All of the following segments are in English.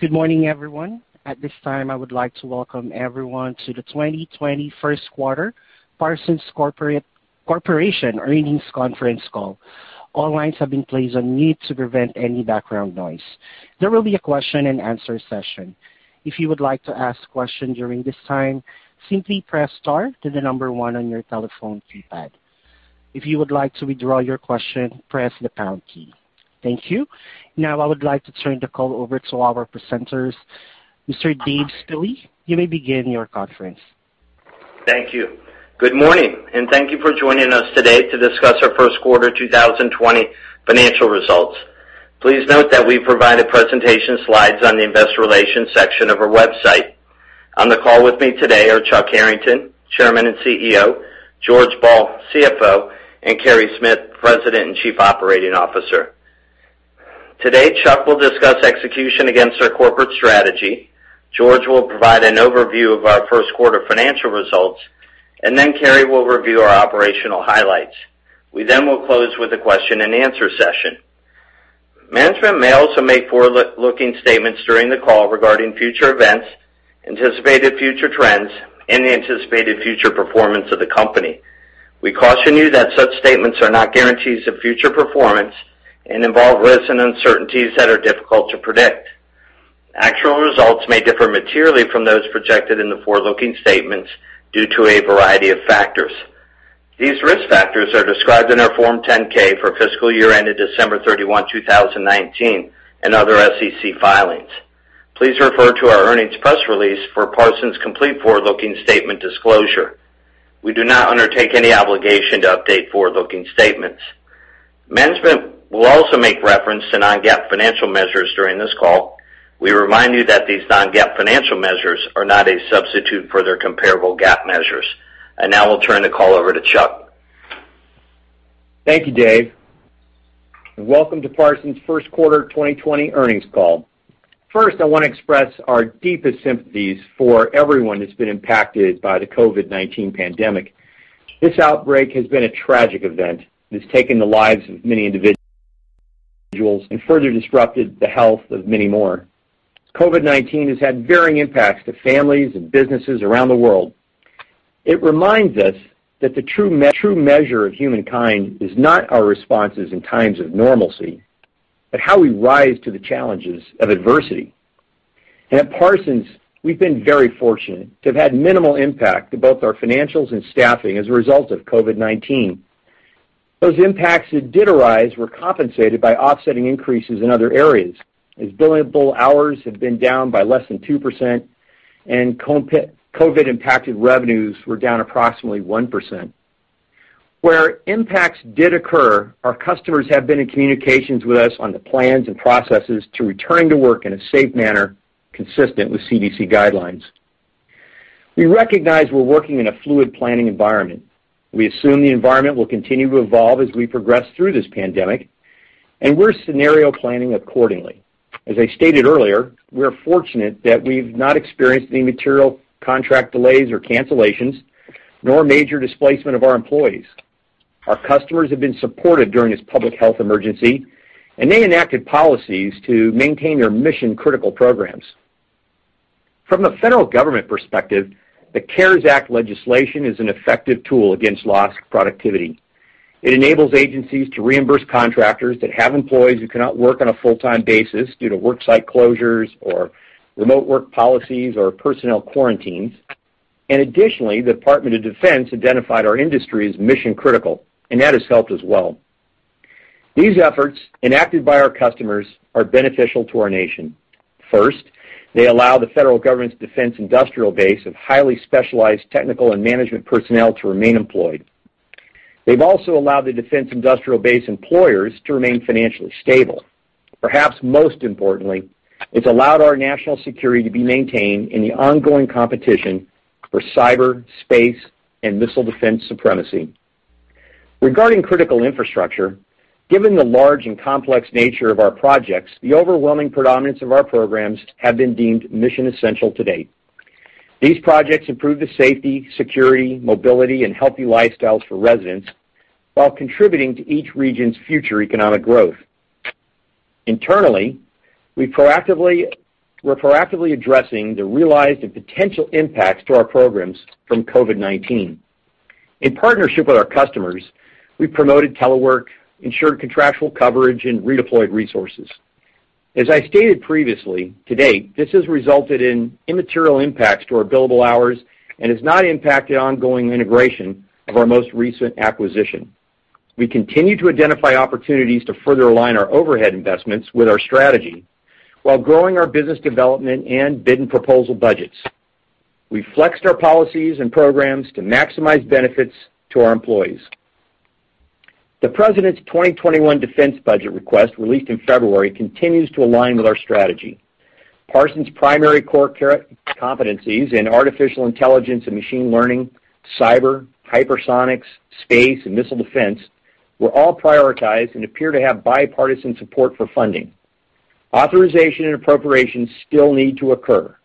Good morning, everyone. At this time, I would like to welcome everyone to the 2020 first quarter Parsons Corporation earnings conference call. All lines have been placed on mute to prevent any background noise. There will be a question and answer session. If you would like to ask a question during this time, simply press star, then the number one on your telephone keypad. If you would like to withdraw your question, press the pound key. Thank you. Now, I would like to turn the call over to our presenters. Mr. Dave Spille, you may begin your conference. Thank you. Good morning, and thank you for joining us today to discuss our first quarter 2020 financial results. Please note that we provide the presentation slides on the investor relations section of our website. On the call with me today are Chuck Harrington, Chairman and CEO, George Ball, CFO, and Carey Smith, President and Chief Operating Officer. Today, Chuck will discuss execution against our corporate strategy, George will provide an overview of our first quarter financial results, and Carey will review our operational highlights. We will close with a question and answer session. Management may also make forward-looking statements during the call regarding future events, anticipated future trends, and the anticipated future performance of the company. We caution you that such statements are not guarantees of future performance and involve risks and uncertainties that are difficult to predict. Actual results may differ materially from those projected in the forward-looking statements due to a variety of factors. These risk factors are described in our Form 10-K for fiscal year ended December 31, 2019, and other SEC filings. Please refer to our earnings press release for Parsons' complete forward-looking statement disclosure. We do not undertake any obligation to update forward-looking statements. Management will also make reference to non-GAAP financial measures during this call. We remind you that these non-GAAP financial measures are not a substitute for their comparable GAAP measures. Now I'll turn the call over to Chuck. Thank you, Dave, and welcome to Parsons' first quarter 2020 earnings call. First, I want to express our deepest sympathies for everyone that's been impacted by the COVID-19 pandemic. This outbreak has been a tragic event that has taken the lives of many individuals and further disrupted the health of many more. COVID-19 has had varying impacts to families and businesses around the world. It reminds us that the true measure of humankind is not our responses in times of normalcy, but how we rise to the challenges of adversity. At Parsons, we've been very fortunate to have had minimal impact to both our financials and staffing as a result of COVID-19. Those impacts that did arise were compensated by offsetting increases in other areas, as billable hours have been down by less than 2% and COVID impacted revenues were down approximately 1%. Where impacts did occur, our customers have been in communications with us on the plans and processes to return to work in a safe manner, consistent with CDC guidelines. We recognize we're working in a fluid planning environment. We assume the environment will continue to evolve as we progress through this pandemic, and we're scenario planning accordingly. As I stated earlier, we're fortunate that we've not experienced any material contract delays or cancellations, nor major displacement of our employees. Our customers have been supported during this public health emergency, and they enacted policies to maintain their mission-critical programs. From the federal government perspective, the CARES Act legislation is an effective tool against lost productivity. It enables agencies to reimburse contractors that have employees who cannot work on a full-time basis due to worksite closures or remote work policies or personnel quarantines. Additionally, the Department of Defense identified our industry as mission critical, and that has helped as well. These efforts enacted by our customers are beneficial to our nation. First, they allow the federal government's defense industrial base of highly specialized technical and management personnel to remain employed. They've also allowed the defense industrial base employers to remain financially stable. Perhaps most importantly, it's allowed our national security to be maintained in the ongoing competition for cyber, space, and missile defense supremacy. Regarding Critical Infrastructure, given the large and complex nature of our projects, the overwhelming predominance of our programs have been deemed mission essential to-date. These projects improve the safety, security, mobility, and healthy lifestyles for residents while contributing to each region's future economic growth. Internally, we're proactively addressing the realized and potential impacts to our programs from COVID-19. In partnership with our customers, we've promoted telework, ensured contractual coverage, and redeployed resources. As I stated previously, to-date, this has resulted in immaterial impacts to our billable hours and has not impacted ongoing integration of our most recent acquisition. We continue to identify opportunities to further align our overhead investments with our strategy while growing our business development and bid and proposal budgets. We flexed our policies and programs to maximize benefits to our employees. The president's 2021 defense budget request, released in February, continues to align with our strategy. Parsons' primary core competencies in artificial intelligence and machine learning, cyber, hypersonics, space, and missile defense were all prioritized and appear to have bipartisan support for funding. Authorization and appropriation still need to occur,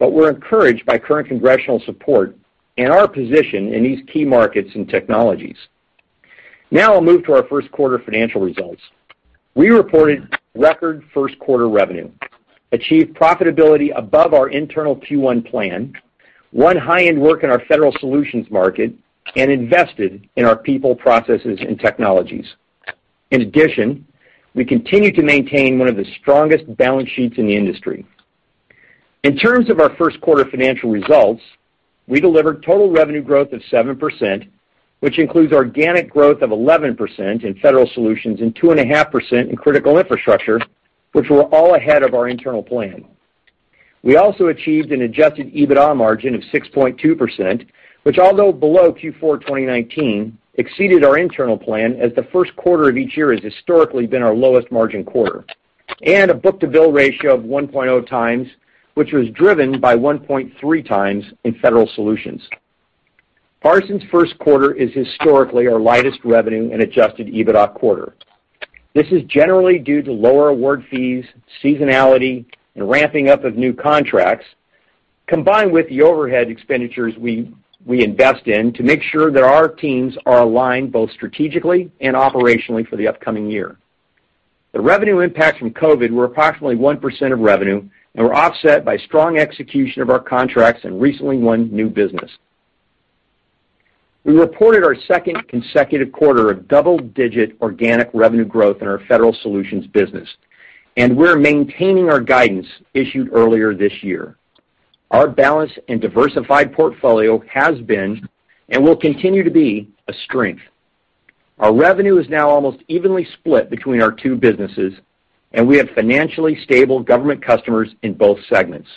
but we're encouraged by current congressional support and our position in these key markets and technologies. Now I'll move to our first quarter financial results. We reported record first quarter revenue, achieved profitability above our internal Q1 plan, won high-end work in our Federal Solutions market, and invested in our people, processes, and technologies. In addition, we continue to maintain one of the strongest balance sheets in the industry. In terms of our first quarter financial results, we delivered total revenue growth of 7%, which includes organic growth of 11% in Federal Solutions and 2.5% in Critical Infrastructure, which were all ahead of our internal plan. We also achieved an Adjusted EBITDA margin of 6.2%, which although below Q4 2019, exceeded our internal plan as the first quarter of each year has historically been our lowest margin quarter, and a book-to-bill ratio of 1.0x, which was driven by 1.3x in Federal Solutions. Parsons' first quarter is historically our lightest revenue and Adjusted EBITDA quarter. This is generally due to lower award fees, seasonality, and ramping up of new contracts, combined with the overhead expenditures we invest in to make sure that our teams are aligned both strategically and operationally for the upcoming year. The revenue impacts from COVID were approximately 1% of revenue and were offset by strong execution of our contracts and recently won new business. We reported our second consecutive quarter of double-digit organic revenue growth in our Federal Solutions business, we're maintaining our guidance issued earlier this year. Our balanced and diversified portfolio has been, and will continue to be, a strength. Our revenue is now almost evenly split between our two businesses, we have financially stable government customers in both segments.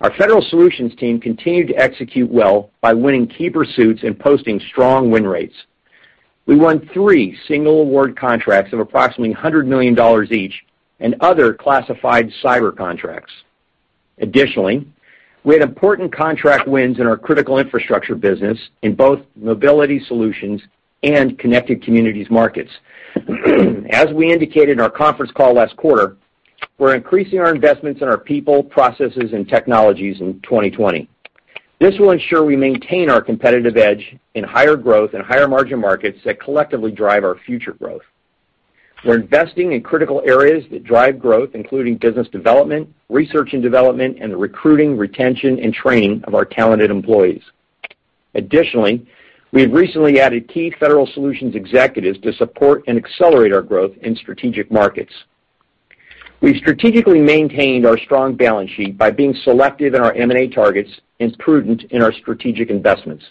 Our Federal Solutions team continued to execute well by winning key pursuits and posting strong win rates. We won three single award contracts of approximately $100 million each and other classified cyber contracts. Additionally, we had important contract wins in our Critical Infrastructure business in both mobility solutions and connected communities markets. As we indicated in our conference call last quarter, we're increasing our investments in our people, processes, and technologies in 2020. This will ensure we maintain our competitive edge in higher growth and higher margin markets that collectively drive our future growth. We're investing in critical areas that drive growth, including business development, research and development, and the recruiting, retention, and training of our talented employees. Additionally, we have recently added key Federal Solutions executives to support and accelerate our growth in strategic markets. We've strategically maintained our strong balance sheet by being selective in our M&A targets and prudent in our strategic investments.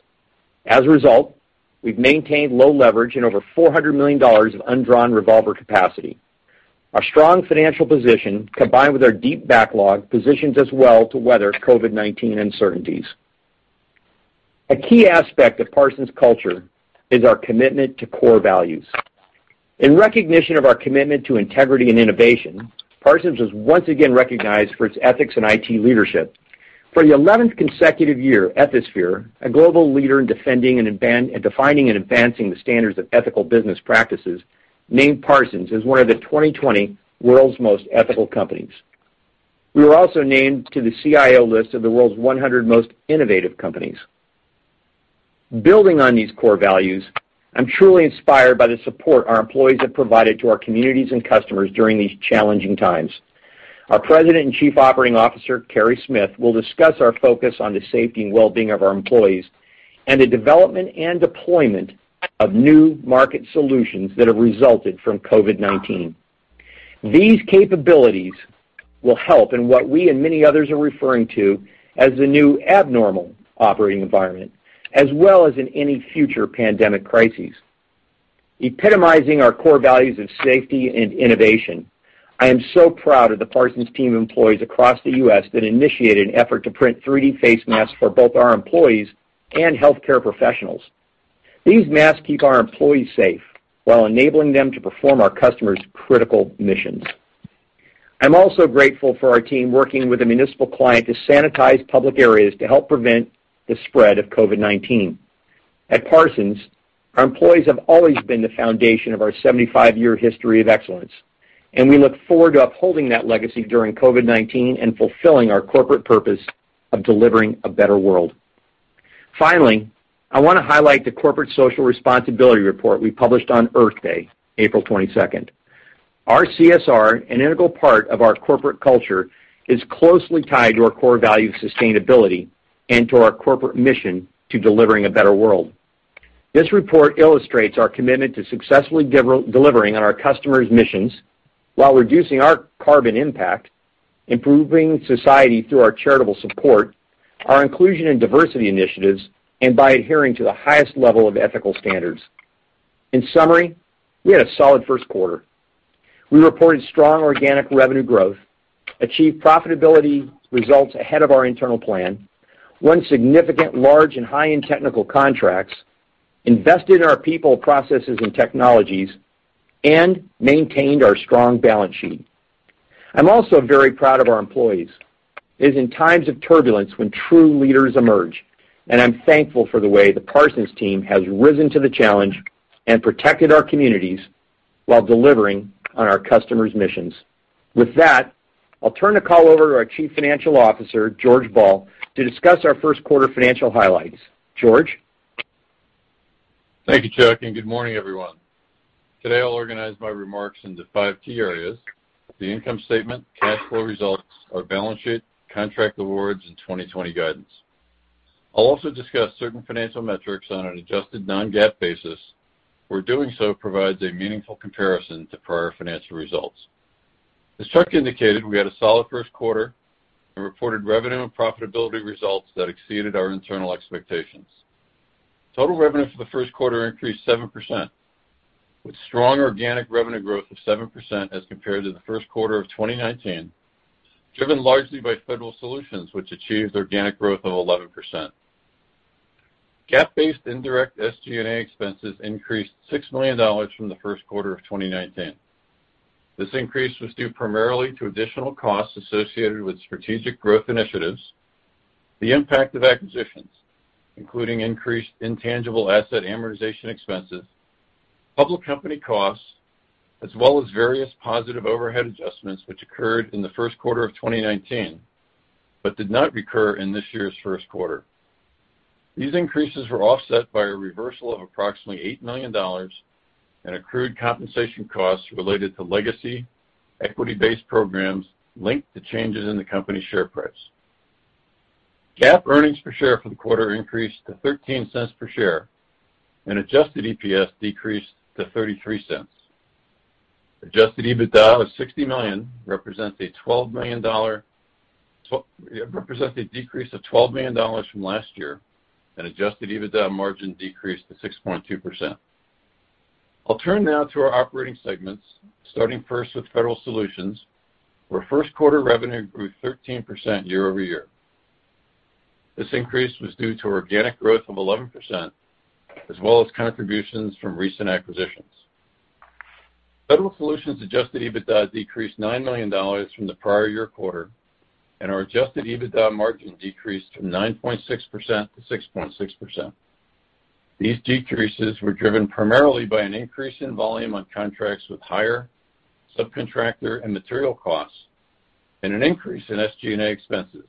As a result, we've maintained low leverage and over $400 million of undrawn revolver capacity. Our strong financial position, combined with our deep backlog, positions us well to weather COVID-19 uncertainties. A key aspect of Parsons culture is our commitment to core values. In recognition of our commitment to integrity and innovation, Parsons was once again recognized for its ethics and IT leadership. For the 11th consecutive year, Ethisphere, a global leader in defining and advancing the standards of ethical business practices, named Parsons as one of the 2020 world's most ethical companies. We were also named to the CIO list of the world's 100 most innovative companies. Building on these core values, I'm truly inspired by the support our employees have provided to our communities and customers during these challenging times. Our President and Chief Operating Officer, Carey Smith, will discuss our focus on the safety and wellbeing of our employees and the development and deployment of new market solutions that have resulted from COVID-19. These capabilities will help in what we and many others are referring to as the new abnormal operating environment, as well as in any future pandemic crises. Epitomizing our core values of safety and innovation, I am so proud of the Parsons team employees across the U.S. that initiated an effort to print 3D face masks for both our employees and healthcare professionals. These masks keep our employees safe while enabling them to perform our customers' critical missions. I'm also grateful for our team working with a municipal client to sanitize public areas to help prevent the spread of COVID-19. At Parsons, our employees have always been the foundation of our 75-year history of excellence. We look forward to upholding that legacy during COVID-19 and fulfilling our corporate purpose of delivering a better world. Finally, I want to highlight the corporate social responsibility report we published on Earth Day, April 22nd. Our CSR, an integral part of our corporate culture, is closely tied to our core value of sustainability and to our corporate mission to delivering a better world. This report illustrates our commitment to successfully delivering on our customers' missions while reducing our carbon impact, improving society through our charitable support, our inclusion and diversity initiatives, and by adhering to the highest level of ethical standards. In summary, we had a solid first quarter. We reported strong organic revenue growth, achieved profitability results ahead of our internal plan, won significant large and high-end technical contracts, invested in our people, processes, and technologies, and maintained our strong balance sheet. I'm also very proud of our employees. It is in times of turbulence when true leaders emerge, and I'm thankful for the way the Parsons team has risen to the challenge and protected our communities while delivering on our customers' missions. With that, I'll turn the call over to our Chief Financial Officer, George Ball, to discuss our first quarter financial highlights. George? Thank you, Chuck, and good morning, everyone. Today, I'll organize my remarks into five key areas: the income statement, cash flow results, our balance sheet, contract awards, and 2020 guidance. I'll also discuss certain financial metrics on an adjusted non-GAAP basis, where doing so provides a meaningful comparison to prior financial results. As Chuck indicated, we had a solid first quarter and reported revenue and profitability results that exceeded our internal expectations. Total revenue for the first quarter increased 7%, with strong organic revenue growth of 7% as compared to the first quarter of 2019, driven largely by Federal Solutions, which achieved organic growth of 11%. GAAP-based indirect SG&A expenses increased $6 million from the first quarter of 2019. This increase was due primarily to additional costs associated with strategic growth initiatives, the impact of acquisitions, including increased intangible asset amortization expenses, public company costs, as well as various positive overhead adjustments which occurred in the first quarter of 2019 but did not recur in this year's first quarter. These increases were offset by a reversal of approximately $8 million in accrued compensation costs related to legacy equity-based programs linked to changes in the company's share price. GAAP earnings per share for the quarter increased to $0.13 per share, and Adjusted EPS decreased to $0.33. Adjusted EBITDA of $60 million represents a decrease of $12 million from last year, and Adjusted EBITDA margin decreased to 6.2%. I'll turn now to our operating segments, starting first with Federal Solutions, where first quarter revenue grew 13% year-over-year. This increase was due to organic growth of 11%, as well as contributions from recent acquisitions. Federal Solutions' Adjusted EBITDA decreased $9 million from the prior year quarter, and our Adjusted EBITDA margin decreased from 9.6% to 6.6%. These decreases were driven primarily by an increase in volume on contracts with higher subcontractor and material costs, and an increase in SG&A expenses,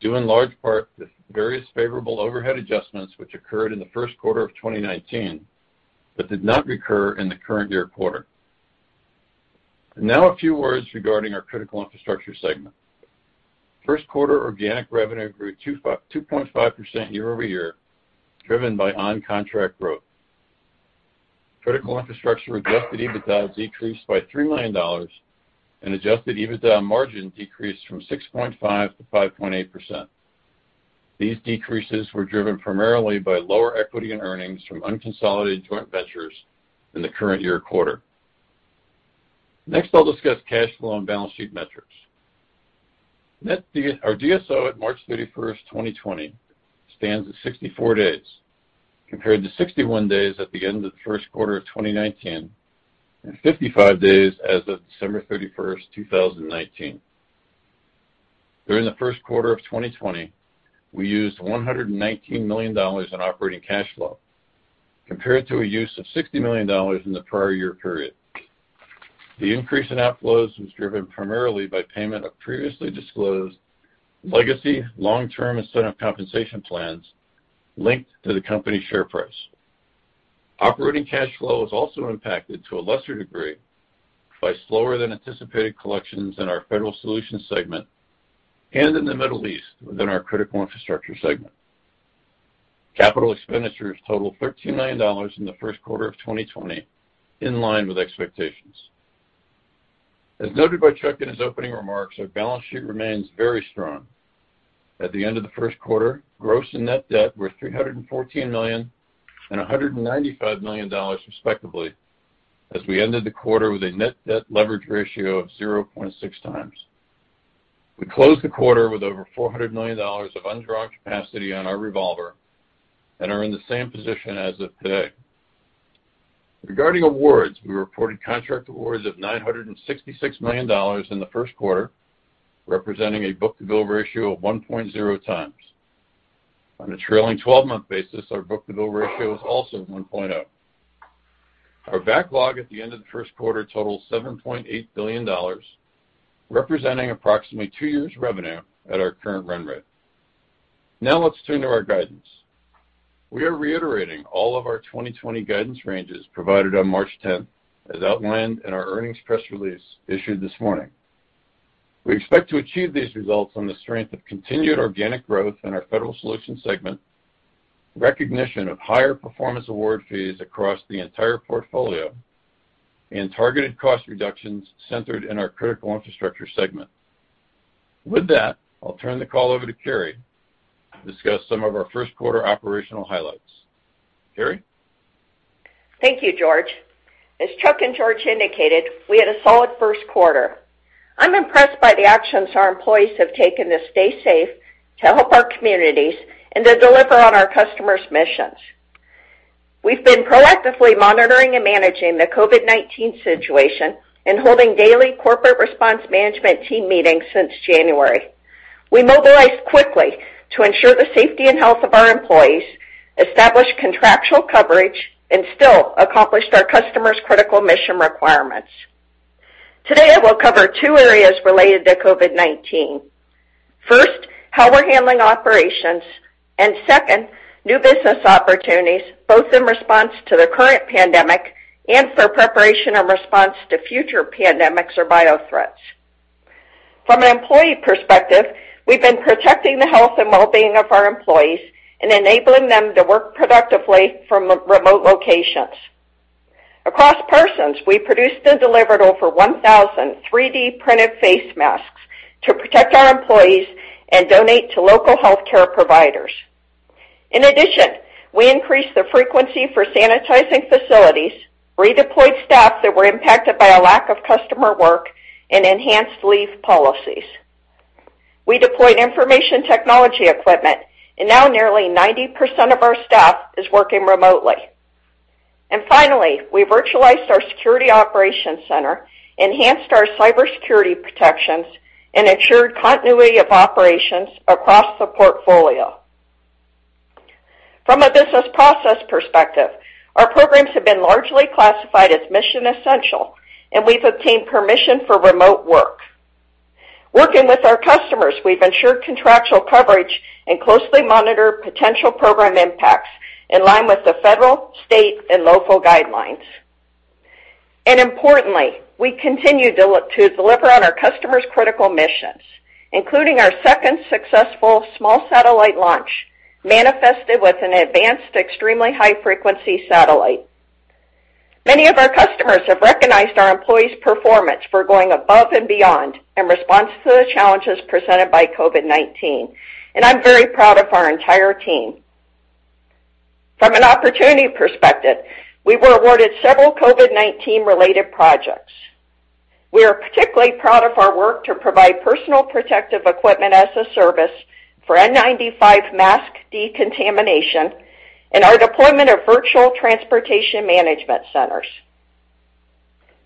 due in large part to various favorable overhead adjustments which occurred in the first quarter of 2019 but did not recur in the current year quarter. Now, a few words regarding our Critical Infrastructure segment. First quarter organic revenue grew 2.5% year-over-year, driven by on-contract growth. Critical Infrastructure Adjusted EBITDA decreased by $3 million, and Adjusted EBITDA margin decreased from 6.5% to 5.8%. These decreases were driven primarily by lower equity and earnings from unconsolidated joint ventures in the current year quarter. Next, I'll discuss cash flow and balance sheet metrics. Our DSO at March 31st, 2020, stands at 64 days, compared to 61 days at the end of the first quarter of 2019 and 55 days as of December 31st, 2019. During the first quarter of 2020, we used $119 million in operating cash flow, compared to a use of $60 million in the prior year period. The increase in outflows was driven primarily by payment of previously disclosed legacy long-term incentive compensation plans linked to the company share price. Operating cash flow was also impacted, to a lesser degree, by slower than anticipated collections in our Federal Solutions segment and in the Middle East within our Critical Infrastructure segment. Capital expenditures totaled $13 million in the first quarter of 2020, in line with expectations. As noted by Chuck in his opening remarks, our balance sheet remains very strong. At the end of the first quarter, gross and net debt were $314 million and $195 million respectively, as we ended the quarter with a net debt leverage ratio of 0.6x. We closed the quarter with over $400 million of undrawn capacity on our revolver and are in the same position as of today. Regarding awards, we reported contract awards of $966 million in the first quarter, representing a book-to-bill ratio of 1.0x. On a trailing 12-month basis, our book-to-bill ratio is also 1.0. Our backlog at the end of the first quarter totals $7.8 billion, representing approximately two years' revenue at our current run rate. Let's turn to our guidance. We are reiterating all of our 2020 guidance ranges provided on March 10th, as outlined in our earnings press release issued this morning. We expect to achieve these results on the strength of continued organic growth in our Federal Solutions segment, recognition of higher performance award fees across the entire portfolio, and targeted cost reductions centered in our Critical Infrastructure segment. With that, I'll turn the call over to Carey to discuss some of our first quarter operational highlights. Carey? Thank you, George. As Chuck and George indicated, we had a solid first quarter. I'm impressed by the actions our employees have taken to stay safe, to help our communities, and to deliver on our customers' missions. We've been proactively monitoring and managing the COVID-19 situation and holding daily corporate response management team meetings since January. We mobilized quickly to ensure the safety and health of our employees, establish contractual coverage, and still accomplished our customers' critical mission requirements. Today, I will cover two areas related to COVID-19. First, how we're handling operations, and second, new business opportunities, both in response to the current pandemic and for preparation and response to future pandemics or bio threats. From an employee perspective, we've been protecting the health and wellbeing of our employees and enabling them to work productively from remote locations. Across Parsons, we produced and delivered over 1,000 3D-printed face masks to protect our employees and donate to local healthcare providers. In addition, we increased the frequency for sanitizing facilities, redeployed staff that were impacted by a lack of customer work, and enhanced leave policies. We deployed information technology equipment and now nearly 90% of our staff is working remotely. Finally, we virtualized our security operations center, enhanced our cybersecurity protections, and ensured continuity of operations across the portfolio. From a business process perspective, our programs have been largely classified as mission essential, and we've obtained permission for remote work. Working with our customers, we've ensured contractual coverage and closely monitor potential program impacts in line with the federal, state, and local guidelines. Importantly, we continue to deliver on our customers' critical missions, including our second successful small satellite launch, manifested with an advanced extremely high-frequency satellite. Many of our customers have recognized our employees' performance for going above and beyond in response to the challenges presented by COVID-19, and I'm very proud of our entire team. From an opportunity perspective, we were awarded several COVID-19 related projects. We are particularly proud of our work to provide personal protective equipment as a service for N95 mask decontamination and our deployment of virtual transportation management centers.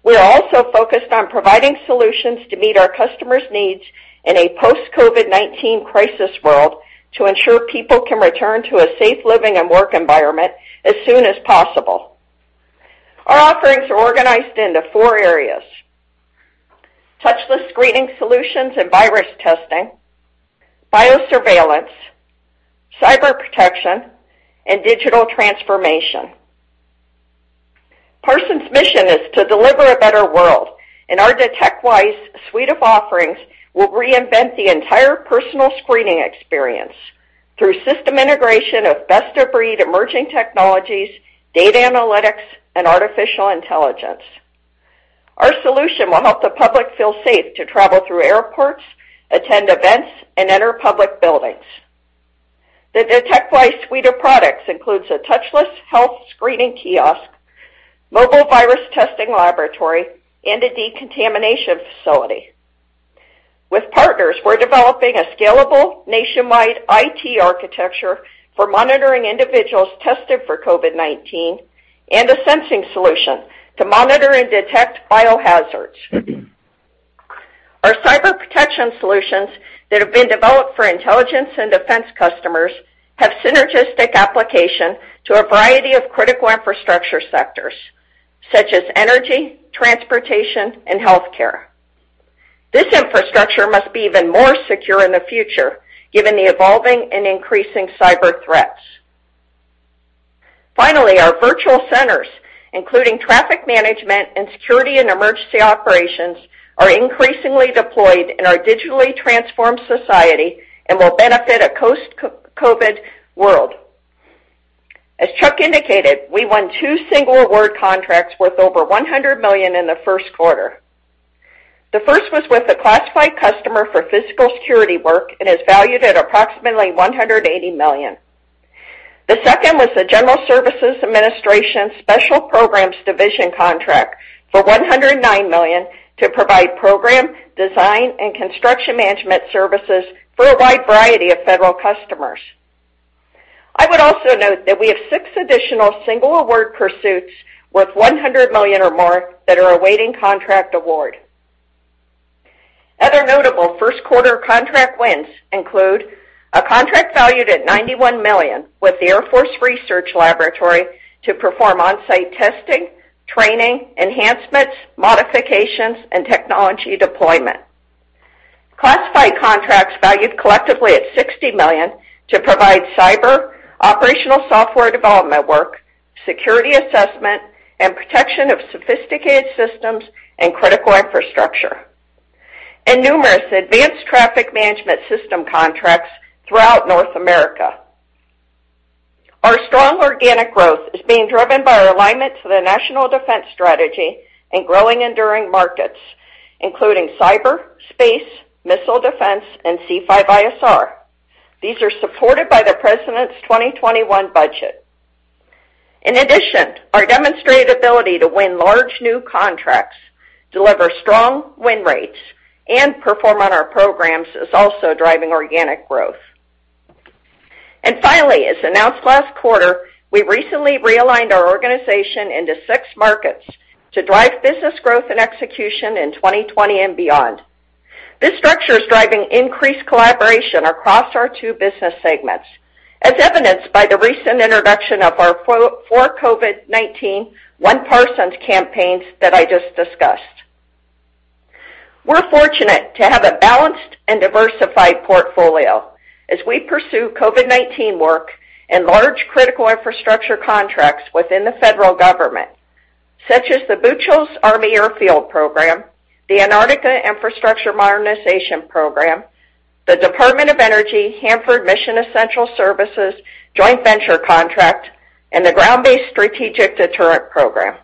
We are also focused on providing solutions to meet our customers' needs in a post-COVID-19 crisis world to ensure people can return to a safe living and work environment as soon as possible. Our offerings are organized into four areas: touchless screening solutions and virus testing, biosurveillance, cyber protection, and digital transformation. Parsons' mission is to deliver a better world, and our DetectWise suite of offerings will reinvent the entire personal screening experience through system integration of best-of-breed emerging technologies, data analytics, and artificial intelligence. Our solution will help the public feel safe to travel through airports, attend events, and enter public buildings. The DetectWise suite of products includes a touchless health screening kiosk, mobile virus testing laboratory, and a decontamination facility. With partners, we're developing a scalable nationwide IT architecture for monitoring individuals tested for COVID-19 and a sensing solution to monitor and detect biohazards. Our cyber protection solutions that have been developed for intelligence and defense customers have synergistic application to a variety of critical infrastructure sectors such as energy, transportation, and healthcare. This infrastructure must be even more secure in the future, given the evolving and increasing cyber threats. Finally, our virtual centers, including traffic management and security and emergency operations, are increasingly deployed in our digitally transformed society and will benefit a post-COVID world. As Chuck indicated, we won two single award contracts worth over $100 million in the first quarter. The first was with a classified customer for physical security work and is valued at approximately $180 million. The second was the General Services Administration Special Programs Division contract for $109 million to provide program, design, and construction management services for a wide variety of federal customers. I would also note that we have six additional single award pursuits worth $100 million or more that are awaiting contract award. Other notable first quarter contract wins include a contract valued at $91 million with the Air Force Research Laboratory to perform on-site testing, training, enhancements, modifications, and technology deployment. Classified contracts valued collectively at $60 million to provide cyber, operational software development work, security assessment, and protection of sophisticated systems and critical infrastructure, and numerous advanced traffic management system contracts throughout North America. Our strong organic growth is being driven by our alignment to the national defense strategy and growing enduring markets, including cyber, space, missile defense, and C5ISR. These are supported by the president's 2021 budget. In addition, our demonstrated ability to win large new contracts, deliver strong win rates, and perform on our programs is also driving organic growth. Finally, as announced last quarter, we recently realigned our organization into six markets to drive business growth and execution in 2020 and beyond. This structure is driving increased collaboration across our two business segments, as evidenced by the recent introduction of our four COVID-19, one Parsons campaigns that I just discussed. We're fortunate to have a balanced and diversified portfolio as we pursue COVID-19 work and large critical infrastructure contracts within the U.S. federal government, such as the Bucholz Army Airfield program, the Antarctic Infrastructure Modernization program, the Department of Energy Hanford Mission Essential Services joint venture contract, and the Ground Based Strategic Deterrent program.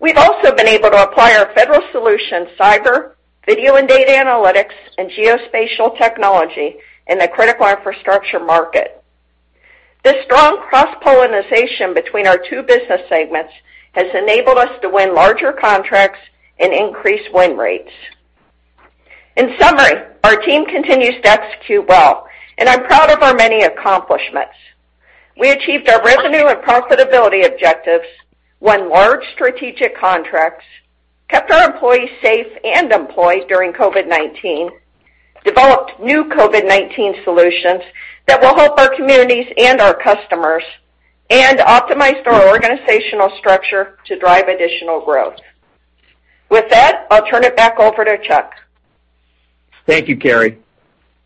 We've also been able to apply our Federal Solutions cyber, video and data analytics, and geospatial technology in the critical infrastructure market. This strong cross-pollenization between our two business segments has enabled us to win larger contracts and increase win rates. In summary, our team continues to execute well, and I'm proud of our many accomplishments. We achieved our revenue and profitability objectives, won large strategic contracts, kept our employees safe and employed during COVID-19, developed new COVID-19 solutions that will help our communities and our customers, and optimized our organizational structure to drive additional growth. With that, I'll turn it back over to Chuck. Thank you, Carey.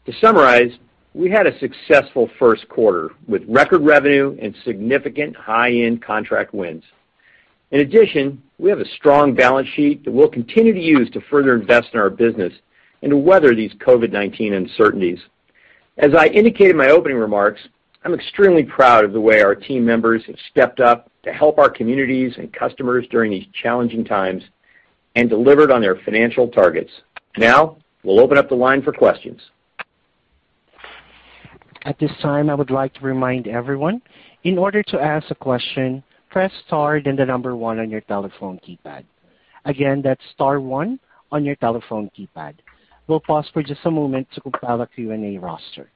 To summarize, we had a successful first quarter with record revenue and significant high-end contract wins. In addition, we have a strong balance sheet that we'll continue to use to further invest in our business and to weather these COVID-19 uncertainties. As I indicated in my opening remarks, I'm extremely proud of the way our team members have stepped up to help our communities and customers during these challenging times and delivered on their financial targets. Now, we'll open up the line for questions. At this time, I would like to remind everyone, in order to ask a question, press star, then the number one on your telephone keypad. Again, that's star one on your telephone keypad. We'll pause for just a moment to compile a Q&A roster.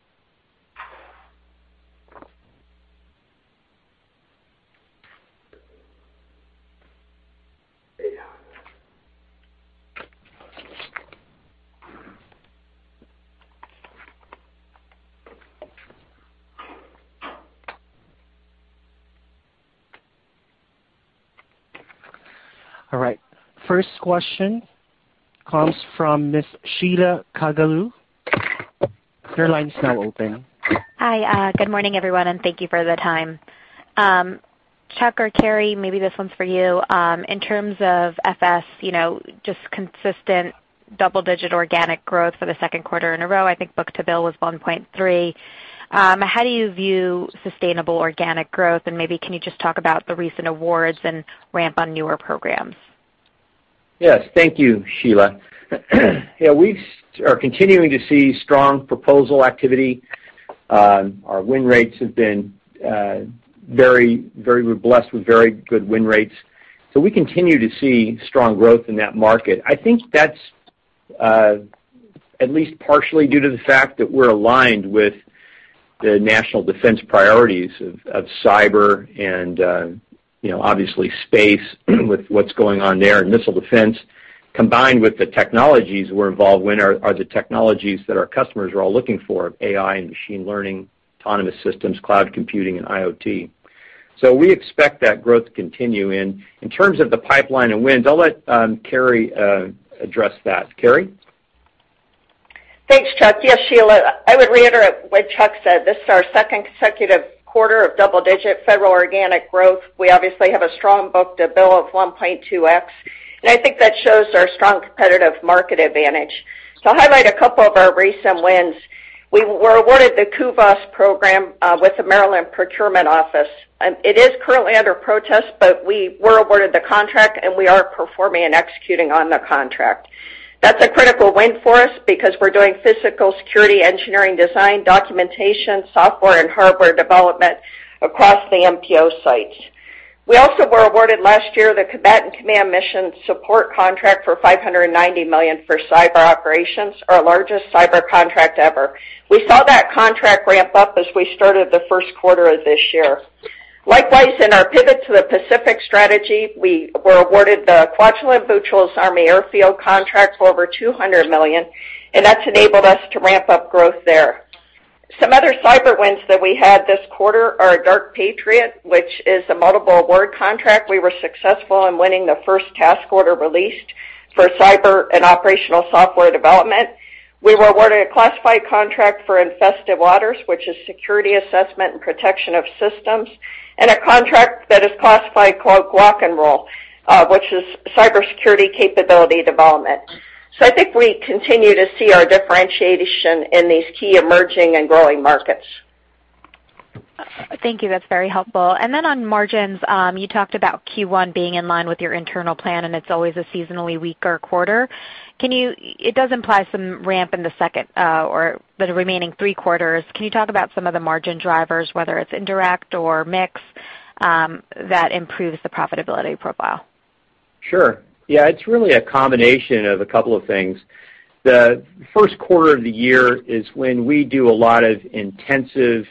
All right. First question comes from Miss Sheila Kahyaoglu. Your line is now open. Hi. Good morning, everyone. Thank you for the time. Chuck or Carey, maybe this one's for you. In terms of FS, just consistent double-digit organic growth for the second quarter in a row. I think book to bill was 1.3. How do you view sustainable organic growth? Maybe can you just talk about the recent awards and ramp on newer programs? Yes, thank you, Sheila. Yeah, we are continuing to see strong proposal activity. We're blessed with very good win rates. We continue to see strong growth in that market. I think that's at least partially due to the fact that we're aligned with the national defense priorities of cyber and, obviously, space with what's going on there in missile defense, combined with the technologies we're involved with are the technologies that our customers are all looking for, AI and machine learning, autonomous systems, cloud computing, and IoT. We expect that growth to continue, and in terms of the pipeline and wins, I'll let Carey address that. Carey? Thanks, Chuck. Yes, Sheila, I would reiterate what Chuck said. This is our second consecutive quarter of double-digit federal organic growth. We obviously have a strong book-to-bill of 1.2x, and I think that shows our strong competitive market advantage. To highlight a couple of our recent wins, we were awarded the CUBAS program with the Maryland Procurement Office. It is currently under protest, but we were awarded the contract, and we are performing and executing on the contract. That's a critical win for us because we're doing physical security engineering design, documentation, software and hardware development across the MPO sites. We also were awarded last year the Combatant Command Mission Support contract for $590 million for cyber operations, our largest cyber contract ever. We saw that contract ramp up as we started the first quarter of this year. Likewise, in our pivot to the Pacific strategy, we were awarded the Kwajalein Bucholz Army Airfield contract for over $200 million, and that's enabled us to ramp up growth there. Some other cyber wins that we had this quarter are Dark Patriot, which is a multiple award contract. We were successful in winning the first task order released for cyber and operational software development. We were awarded a classified contract for Infested Waters, which is security assessment and protection of systems, and a contract that is classified called Lock and Roll, which is cybersecurity capability development. I think we continue to see our differentiation in these key emerging and growing markets. Thank you. That's very helpful. Then on margins, you talked about Q1 being in line with your internal plan, and it's always a seasonally weaker quarter. It does imply some ramp in the second or the remaining three quarters. Can you talk about some of the margin drivers, whether it's indirect or mix, that improves the profitability profile? Sure. Yeah, it's really a combination of a couple of things. The first quarter of the year is when we do a lot of intensive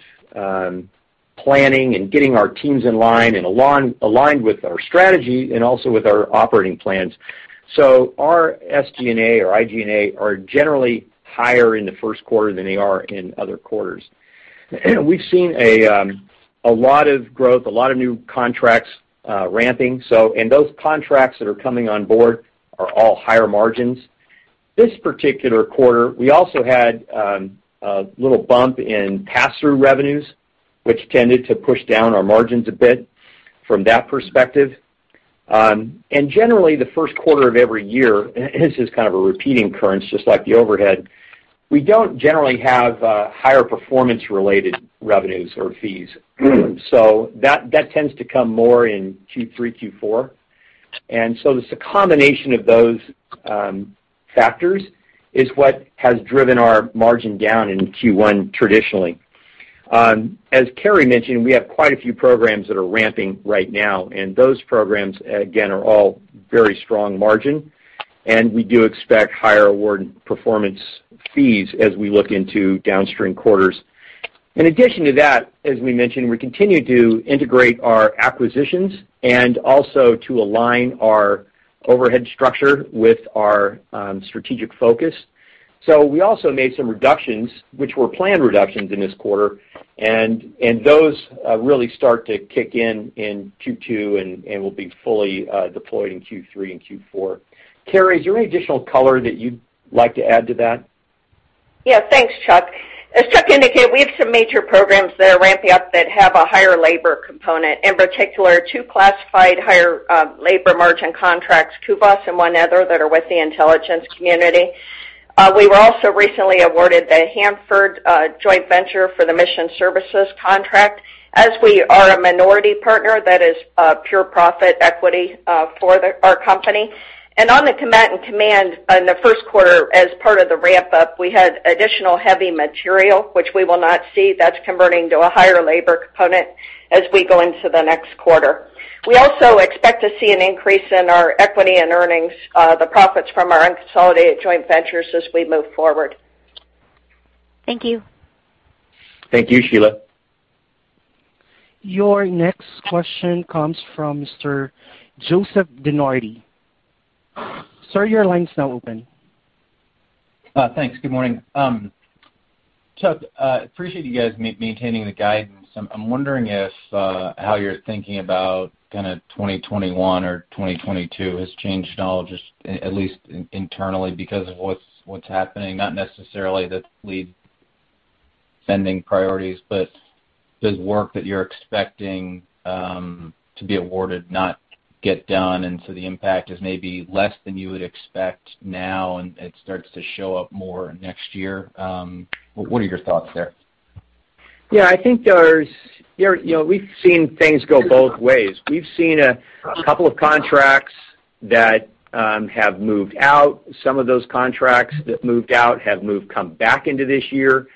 planning and getting our teams in line and aligned with our strategy and also with our operating plans. Our SG&A or IG&A are generally higher in the first quarter than they are in other quarters. We've seen a lot of growth, a lot of new contracts ramping. Those contracts that are coming on board are all higher margins. This particular quarter, we also had a little bump in pass-through revenues, which tended to push down our margins a bit from that perspective. Generally, the first quarter of every year, this is kind of a repeating occurrence, just like the overhead, we don't generally have higher performance-related revenues or fees. That tends to come more in Q3, Q4. It's a combination of those factors is what has driven our margin down in Q1 traditionally. As Carey mentioned, we have quite a few programs that are ramping right now, and those programs, again, are all very strong margin, and we do expect higher award performance fees as we look into downstream quarters. In addition to that, as we mentioned, we continue to integrate our acquisitions and also to align our overhead structure with our strategic focus. We also made some reductions, which were planned reductions in this quarter, and those really start to kick in in Q2 and will be fully deployed in Q3 and Q4. Carey, is there any additional color that you'd like to add to that? Thanks, Chuck. As Chuck indicated, we have some major programs that are ramping up that have a higher labor component, in particular, two classified higher labor margin contracts, CUBAS and one other that are with the intelligence community. We were also recently awarded the Hanford Mission Essential Services Contract. As we are a minority partner, that is pure profit equity for our company. On the Combatant Commands in the first quarter, as part of the ramp-up, we had additional heavy material, which we will not see. That's converting to a higher labor component as we go into the next quarter. We also expect to see an increase in our equity and earnings, the profits from our unconsolidated joint ventures as we move forward. Thank you. Thank you, Sheila. Your next question comes from Mr. Joseph DeNardi. Sir, your line is now open. Thanks. Good morning. Chuck, I appreciate you guys maintaining the guidance. I'm wondering if how you're thinking about kind of 2021 or 2022 has changed at all, just at least internally because of what's happening, not necessarily the lead spending priorities, but does work that you're expecting to be awarded not get done, and so the impact is maybe less than you would expect now, and it starts to show up more next year? What are your thoughts there? Yeah, we've seen things go both ways. We've seen a couple of contracts that have moved out. Some of those contracts that moved out have come back into this year,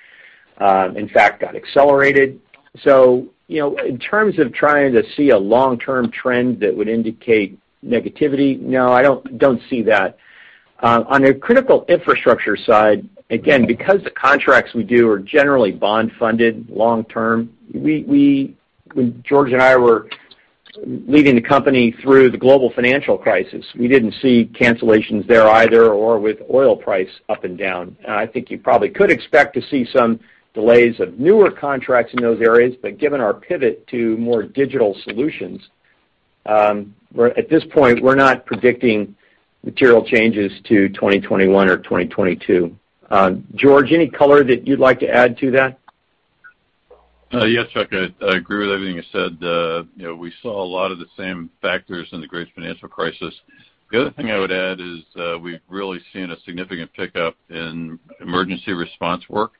in fact, got accelerated. In terms of trying to see a long-term trend that would indicate negativity, no, I don't see that. On a Critical Infrastructure side, again, because the contracts we do are generally bond-funded long term, when George and I were leading the company through the global financial crisis, we didn't see cancellations there either or with oil price up and down. I think you probably could expect to see some delays of newer contracts in those areas. But given our pivot to more digital solutions, at this point, we're not predicting material changes to 2021 or 2022. George, any color that you'd like to add to that? Yes, Chuck, I agree with everything you said. We saw a lot of the same factors in the great financial crisis. The other thing I would add is we've really seen a significant pickup in emergency response work.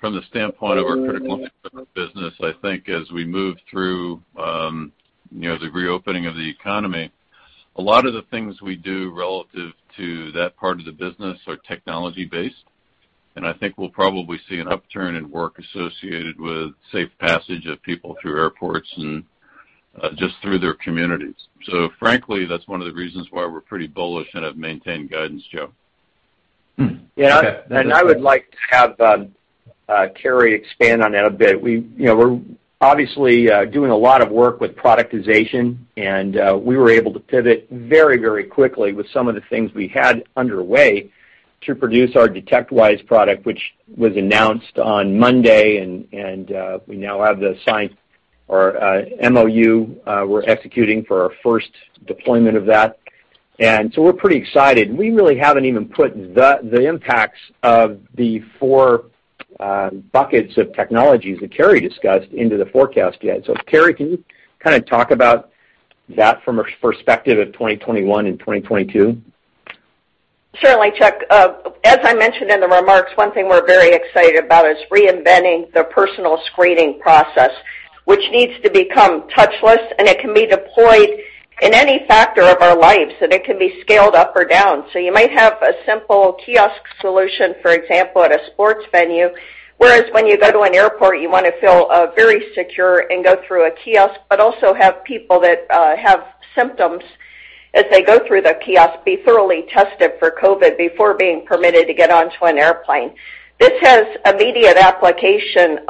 From the standpoint of our critical business, I think as we move through the reopening of the economy, a lot of the things we do relative to that part of the business are technology-based, and I think we'll probably see an upturn in work associated with safe passage of people through airports and just through their communities. Frankly, that's one of the reasons why we're pretty bullish and have maintained guidance, Joe. Okay. I would like to have Carey expand on that a bit. We're obviously doing a lot of work with productization, and we were able to pivot very quickly with some of the things we had underway to produce our DetectWise product, which was announced on Monday, and we now have the signed or MOU we're executing for our first deployment of that. We're pretty excited. We really haven't even put the impacts of the four buckets of technologies that Carey discussed into the forecast yet. Carey, can you kind of talk about that from a perspective of 2021 and 2022? Certainly, Chuck. As I mentioned in the remarks, one thing we're very excited about is reinventing the personal screening process, which needs to become touchless, and it can be deployed in any factor of our lives, and it can be scaled up or down. You might have a simple kiosk solution, for example, at a sports venue, whereas when you go to an airport, you want to feel very secure and go through a kiosk, but also have people that have symptoms As they go through the kiosk, be thoroughly tested for COVID before being permitted to get onto an airplane. This has immediate application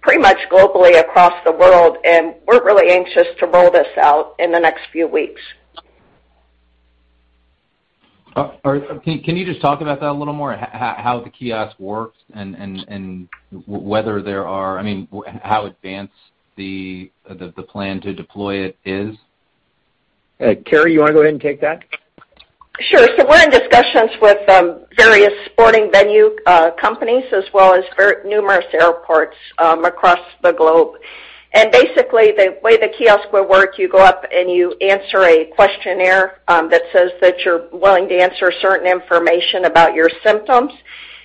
pretty much globally across the world, and we're really anxious to roll this out in the next few weeks. Can you just talk about that a little more, how the kiosk works and how advanced the plan to deploy it is? Carey, you want to go ahead and take that? Sure. We're in discussions with various sporting venue companies, as well as numerous airports across the globe. Basically, the way the kiosk will work, you go up and you answer a questionnaire that says that you're willing to answer certain information about your symptoms.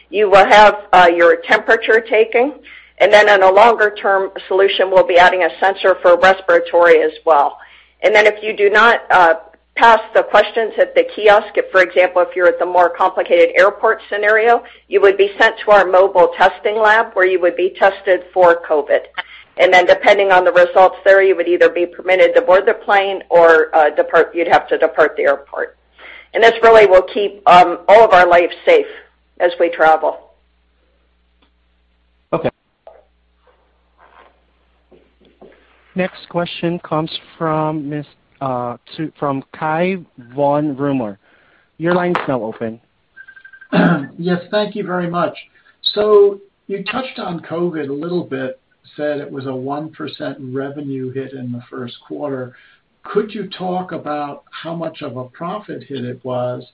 You will have your temperature taken, then in a longer-term solution, we'll be adding a sensor for respiratory as well. Then if you do not pass the questions at the kiosk, if, for example, if you're at the more complicated airport scenario, you would be sent to our mobile testing lab where you would be tested for COVID. Depending on the results there, you would either be permitted to board the plane or you'd have to depart the airport. This really will keep all of our lives safe as we travel. Okay. Next question comes from Cai von Rumohr. Your line's now open. Yes, thank you very much. You touched on COVID a little bit, said it was a 1% revenue hit in the first quarter. Could you talk about how much of a profit hit it was,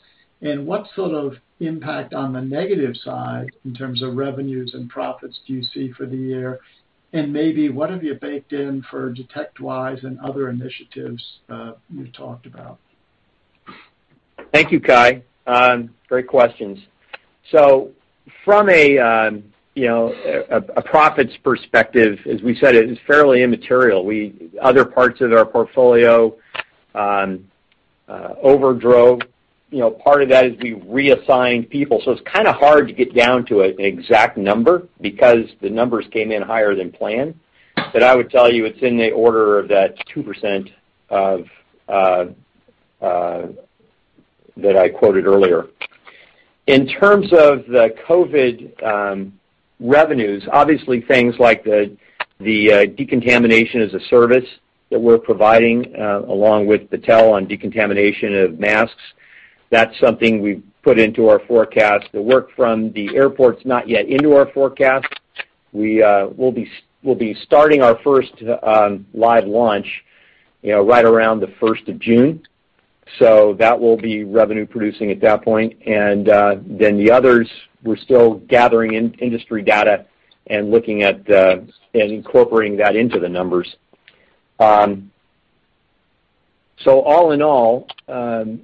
and what sort of impact on the negative side, in terms of revenues and profits, do you see for the year? Maybe what have you baked in for DetectWise and other initiatives you've talked about? Thank you, Cai. Great questions. From a profits perspective, as we said, it is fairly immaterial. Other parts of our portfolio overdrove. Part of that is we reassigned people. It's kind of hard to get down to an exact number because the numbers came in higher than planned. I would tell you it's in the order of that 2% that I quoted earlier. In terms of the COVID revenues, obviously things like the decontamination as a service that we're providing, along with Battelle on decontamination of masks, that's something we've put into our forecast. The work from the airport's not yet into our forecast. We'll be starting our first live launch right around the 1st of June. That will be revenue producing at that point. The others, we're still gathering industry data and looking at incorporating that into the numbers. All in all,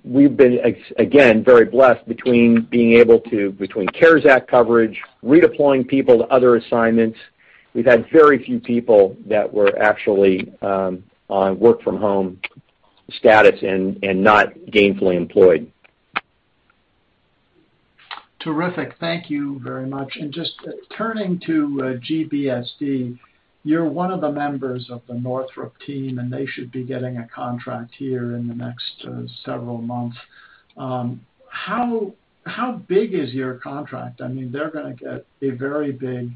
we've been, again, very blessed between CARES Act coverage, redeploying people to other assignments. We've had very few people that were actually on work from home status and not gainfully employed. Terrific. Thank you very much. Just turning to GBSD, you're one of the members of the Northrop team, and they should be getting a contract here in the next several months. How big is your contract? They're going to get a very big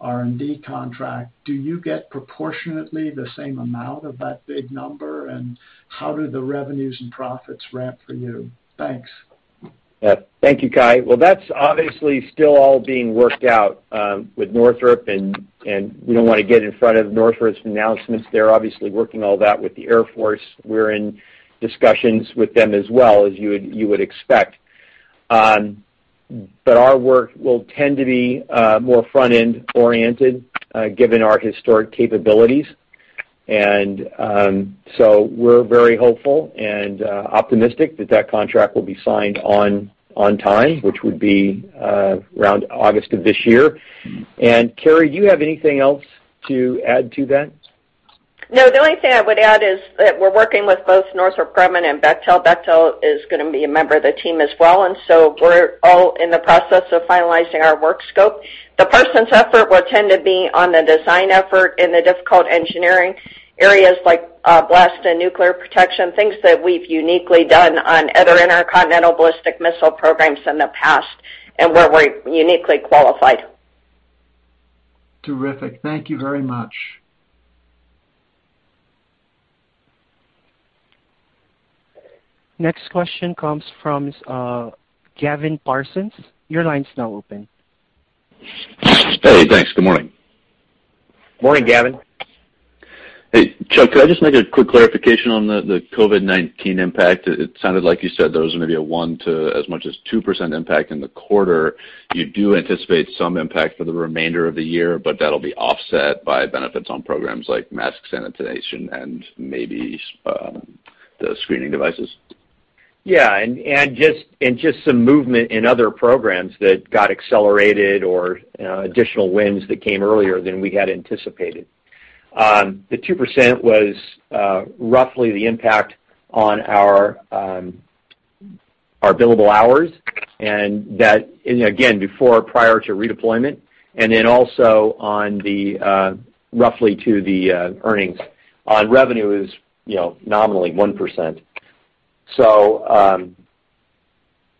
R&D contract. Do you get proportionately the same amount of that big number? How do the revenues and profits ramp for you? Thanks. Yeah. Thank you, Cai. Well, that's obviously still all being worked out with Northrop, and we don't want to get in front of Northrop's announcements. They're obviously working all that with the Air Force. We're in discussions with them as well, as you would expect. Our work will tend to be more front-end oriented, given our historic capabilities. We're very hopeful and optimistic that that contract will be signed on time, which would be around August of this year. Carey, do you have anything else to add to that? No, the only thing I would add is that we're working with both Northrop Grumman and Bechtel. Bechtel is going to be a member of the team as well, and so we're all in the process of finalizing our work scope. The Parsons effort will tend to be on the design effort in the difficult engineering areas like blast and nuclear protection, things that we've uniquely done on other intercontinental ballistic missile programs in the past and where we're uniquely qualified. Terrific. Thank you very much. Next question comes from Gavin Parsons. Your line's now open. Hey, thanks. Good morning. Morning, Gavin. Hey, Chuck, could I just make a quick clarification on the COVID-19 impact? It sounded like you said there was maybe a 1% to as much as 2% impact in the quarter. You do anticipate some impact for the remainder of the year, but that'll be offset by benefits on programs like mask sanitization and maybe the screening devices? Yeah, just some movement in other programs that got accelerated or additional wins that came earlier than we had anticipated. The 2% was roughly the impact on our billable hours, and that, again, before prior to redeployment, and then also roughly to the earnings on revenue is nominally 1%.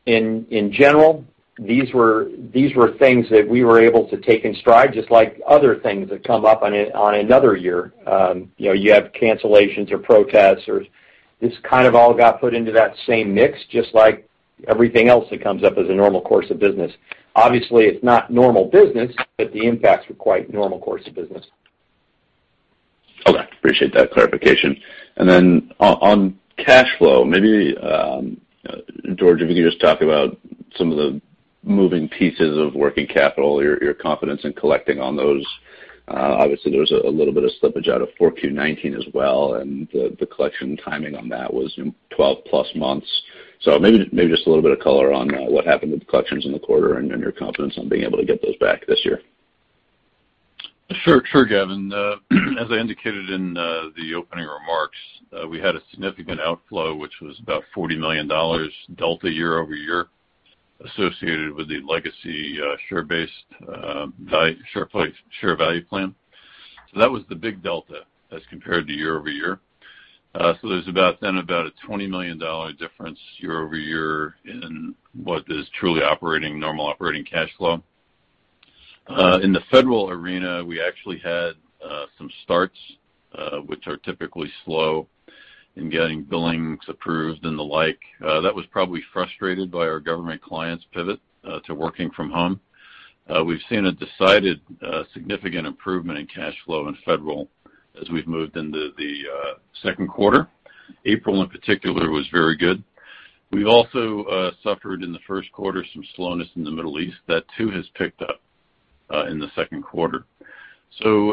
In general, these were things that we were able to take in stride, just like other things that come up on another year. You have cancellations or protests, or this kind of all got put into that same mix, just like everything else that comes up as a normal course of business. Obviously, it's not normal business, but the impacts were quite normal course of business. Okay. Appreciate that clarification. On cash flow, maybe, George, if you could just talk about some of the moving pieces of working capital, your confidence in collecting on those. Obviously, there was a little bit of slippage out of 4Q 2019 as well, and the collection timing on that was 12+ months. Maybe just a little bit of color on what happened with collections in the quarter and your confidence on being able to get those back this year. Sure, Gavin. As I indicated in the opening remarks, we had a significant outflow, which was about $40 million delta year-over-year associated with the legacy share-based share value plan. That was the big delta as compared to year-over-year. There's about then about a $20 million difference year-over-year in what is truly normal operating cash flow. In the federal arena, we actually had some starts, which are typically slow in getting billings approved and the like. That was probably frustrated by our government clients pivot to working from home. We've seen a decided significant improvement in cash flow in Federal as we've moved into the second quarter. April, in particular, was very good. We've also suffered in the first quarter some slowness in the Middle East. That, too, has picked up in the second quarter.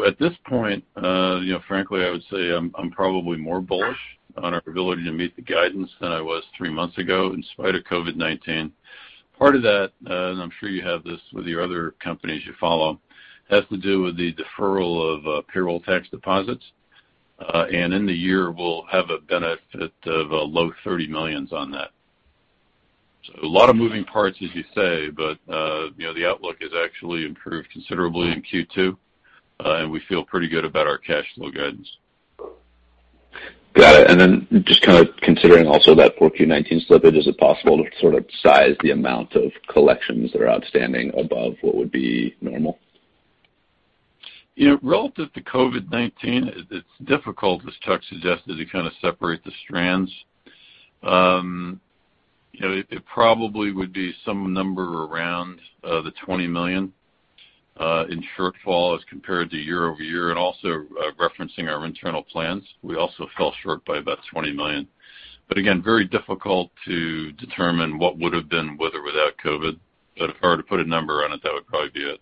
At this point, frankly, I would say I'm probably more bullish on our ability to meet the guidance than I was three months ago in spite of COVID-19. Part of that, and I'm sure you have this with your other companies you follow, has to do with the deferral of payroll tax deposits. In the year, we'll have a benefit of a low $30 million on that. A lot of moving parts, as you say, but the outlook has actually improved considerably in Q2, and we feel pretty good about our cash flow guidance. Then just kind of considering also that 4Q 2019 slippage, is it possible to sort of size the amount of collections that are outstanding above what would be normal? Relative to COVID-19, it's difficult, as Chuck suggested, to kind of separate the strands. It probably would be some number around the $20 million in shortfall as compared to year-over-year and also referencing our internal plans. We also fell short by about $20 million. Again, very difficult to determine what would have been with or without COVID. If I were to put a number on it, that would probably be it.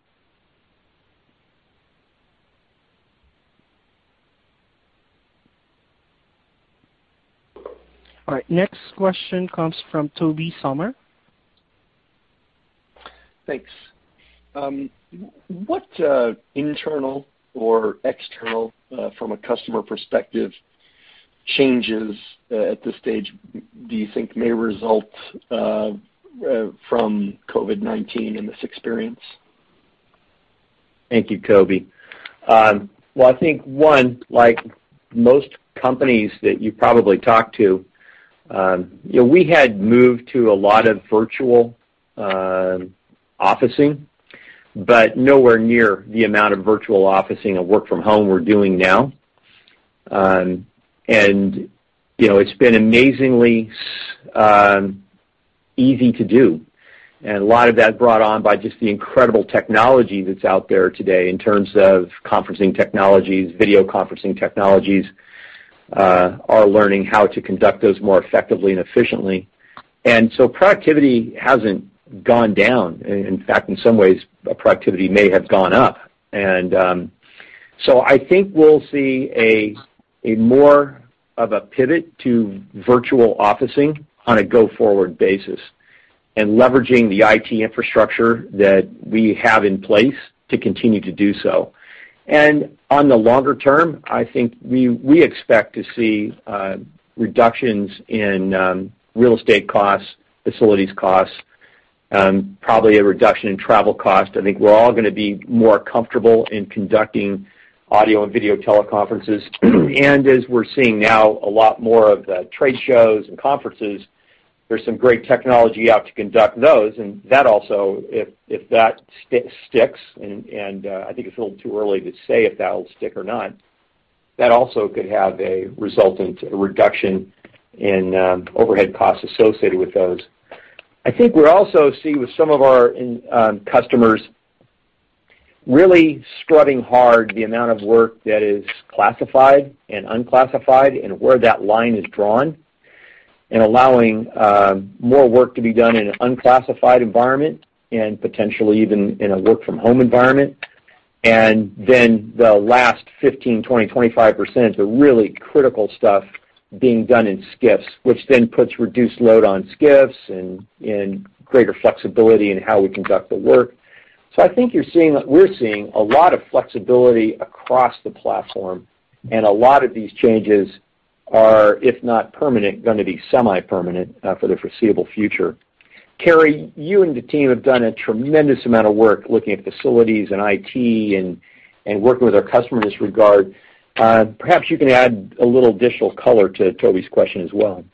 All right. Next question comes from Tobey Sommer. Thanks. What internal or external, from a customer perspective, changes at this stage do you think may result from COVID-19 and this experience? Thank you, Tobey. I think, one, like most companies that you probably talk to, we had moved to a lot of virtual officing, but nowhere near the amount of virtual officing of work from home we're doing now. It's been amazingly easy to do, and a lot of that brought on by just the incredible technology that's out there today in terms of conferencing technologies, video conferencing technologies, our learning how to conduct those more effectively and efficiently. Productivity hasn't gone down. In fact, in some ways, productivity may have gone up. I think we'll see a more of a pivot to virtual officing on a go-forward basis and leveraging the IT infrastructure that we have in place to continue to do so. On the longer term, I think we expect to see reductions in real estate costs, facilities costs, probably a reduction in travel cost. I think we're all going to be more comfortable in conducting audio and video teleconferences. As we're seeing now a lot more of the trade shows and conferences, there's some great technology out to conduct those, and that also, if that sticks, and I think it's a little too early to say if that will stick or not, that also could have a resultant reduction in overhead costs associated with those. I think we're also seeing with some of our customers really scrubbing hard the amount of work that is classified and unclassified and where that line is drawn and allowing more work to be done in an unclassified environment and potentially even in a work-from-home environment. The last 15%, 20%, 25%, the really critical stuff being done in SCIFs, which then puts reduced load on SCIFs and greater flexibility in how we conduct the work. I think we're seeing a lot of flexibility across the platform, and a lot of these changes are, if not permanent, going to be semi-permanent for the foreseeable future. Carey, you and the team have done a tremendous amount of work looking at facilities and IT and working with our customers in this regard. Perhaps you can add a little additional color to Tobey's question as well.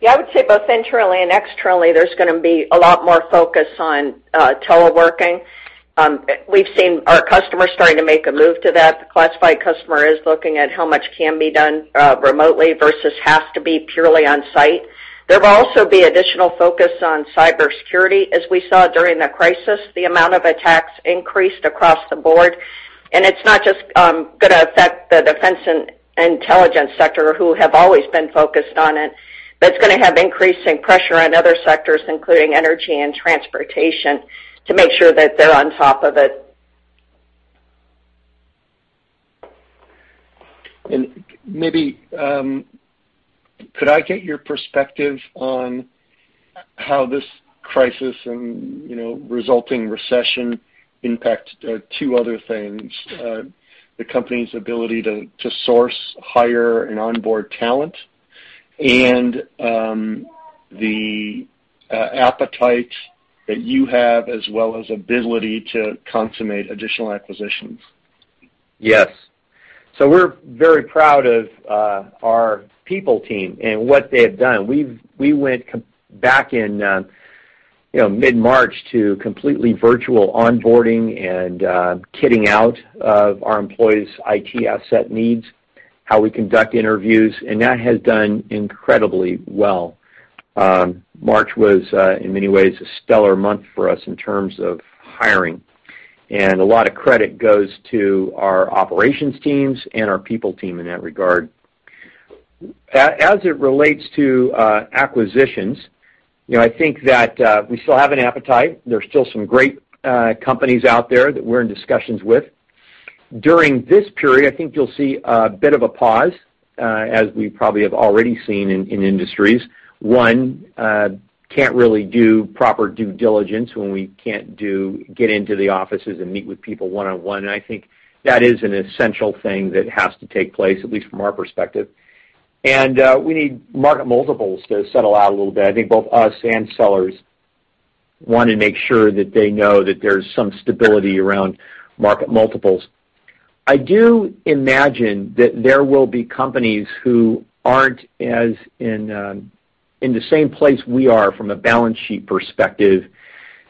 Yeah, I would say both internally and externally, there's going to be a lot more focus on teleworking. We've seen our customers starting to make a move to that. The classified customer is looking at how much can be done remotely versus has to be purely on-site. There will also be additional focus on cybersecurity. As we saw during the crisis, the amount of attacks increased across the board and it's not just going to affect the defense and intelligence sector who have always been focused on it, but it's going to have increasing pressure on other sectors, including energy and transportation, to make sure that they're on top of it. Maybe could I get your perspective on how this crisis and resulting recession impact two other things, the company's ability to source, hire, and onboard talent and the appetite that you have as well as ability to consummate additional acquisitions? Yes. We're very proud of our people team and what they have done. We went back in mid-March to completely virtual onboarding and kitting out of our employees' IT asset needs, how we conduct interviews, and that has done incredibly well. March was, in many ways, a stellar month for us in terms of hiring, and a lot of credit goes to our operations teams and our people team in that regard. As it relates to acquisitions, I think that we still have an appetite. There's still some great companies out there that we're in discussions with. During this period, I think you'll see a bit of a pause, as we probably have already seen in industries. One, can't really do proper due diligence when we can't get into the offices and meet with people one-on-one. I think that is an essential thing that has to take place, at least from our perspective. We need market multiples to settle out a little bit. I think both us and sellers want to make sure that they know that there's some stability around market multiples. I do imagine that there will be companies who aren't in the same place we are from a balance sheet perspective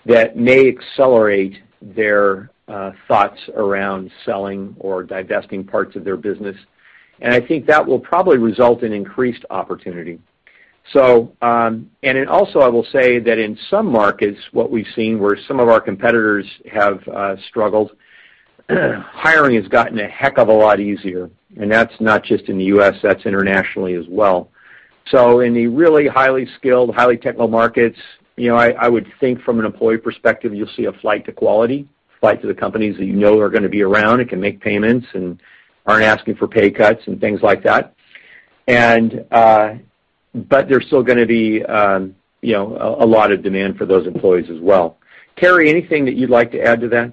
that may accelerate their thoughts around selling or divesting parts of their business. I think that will probably result in increased opportunity. Also, I will say that in some markets, what we've seen, where some of our competitors have struggled, hiring has gotten a heck of a lot easier, and that's not just in the U.S., that's internationally as well. In the really highly skilled, highly technical markets, I would think from an employee perspective, you'll see a flight to quality, flight to the companies that you know are going to be around and can make payments and aren't asking for pay cuts and things like that. There's still going to be a lot of demand for those employees as well. Carey, anything that you'd like to add to that?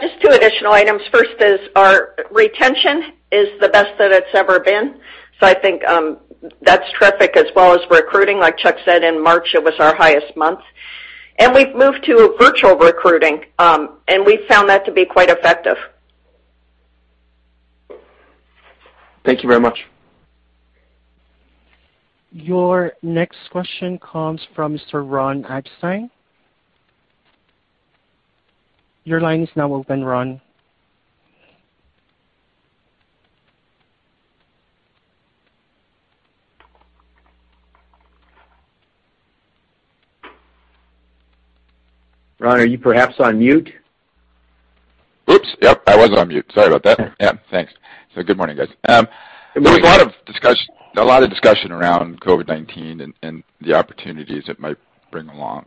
Just two additional items. First is our retention is the best that it's ever been. I think that's terrific as well as recruiting. Like Chuck said, in March, it was our highest month. We've moved to virtual recruiting, and we've found that to be quite effective. Thank you very much. Your next question comes from Mr. Ron Epstein. Your line is now open, Ron. Ron, are you perhaps on mute? Oops, yep. I was on mute. Sorry about that. Yeah, thanks. Good morning, guys. Good morning. There was a lot of discussion around COVID-19 and the opportunities it might bring along.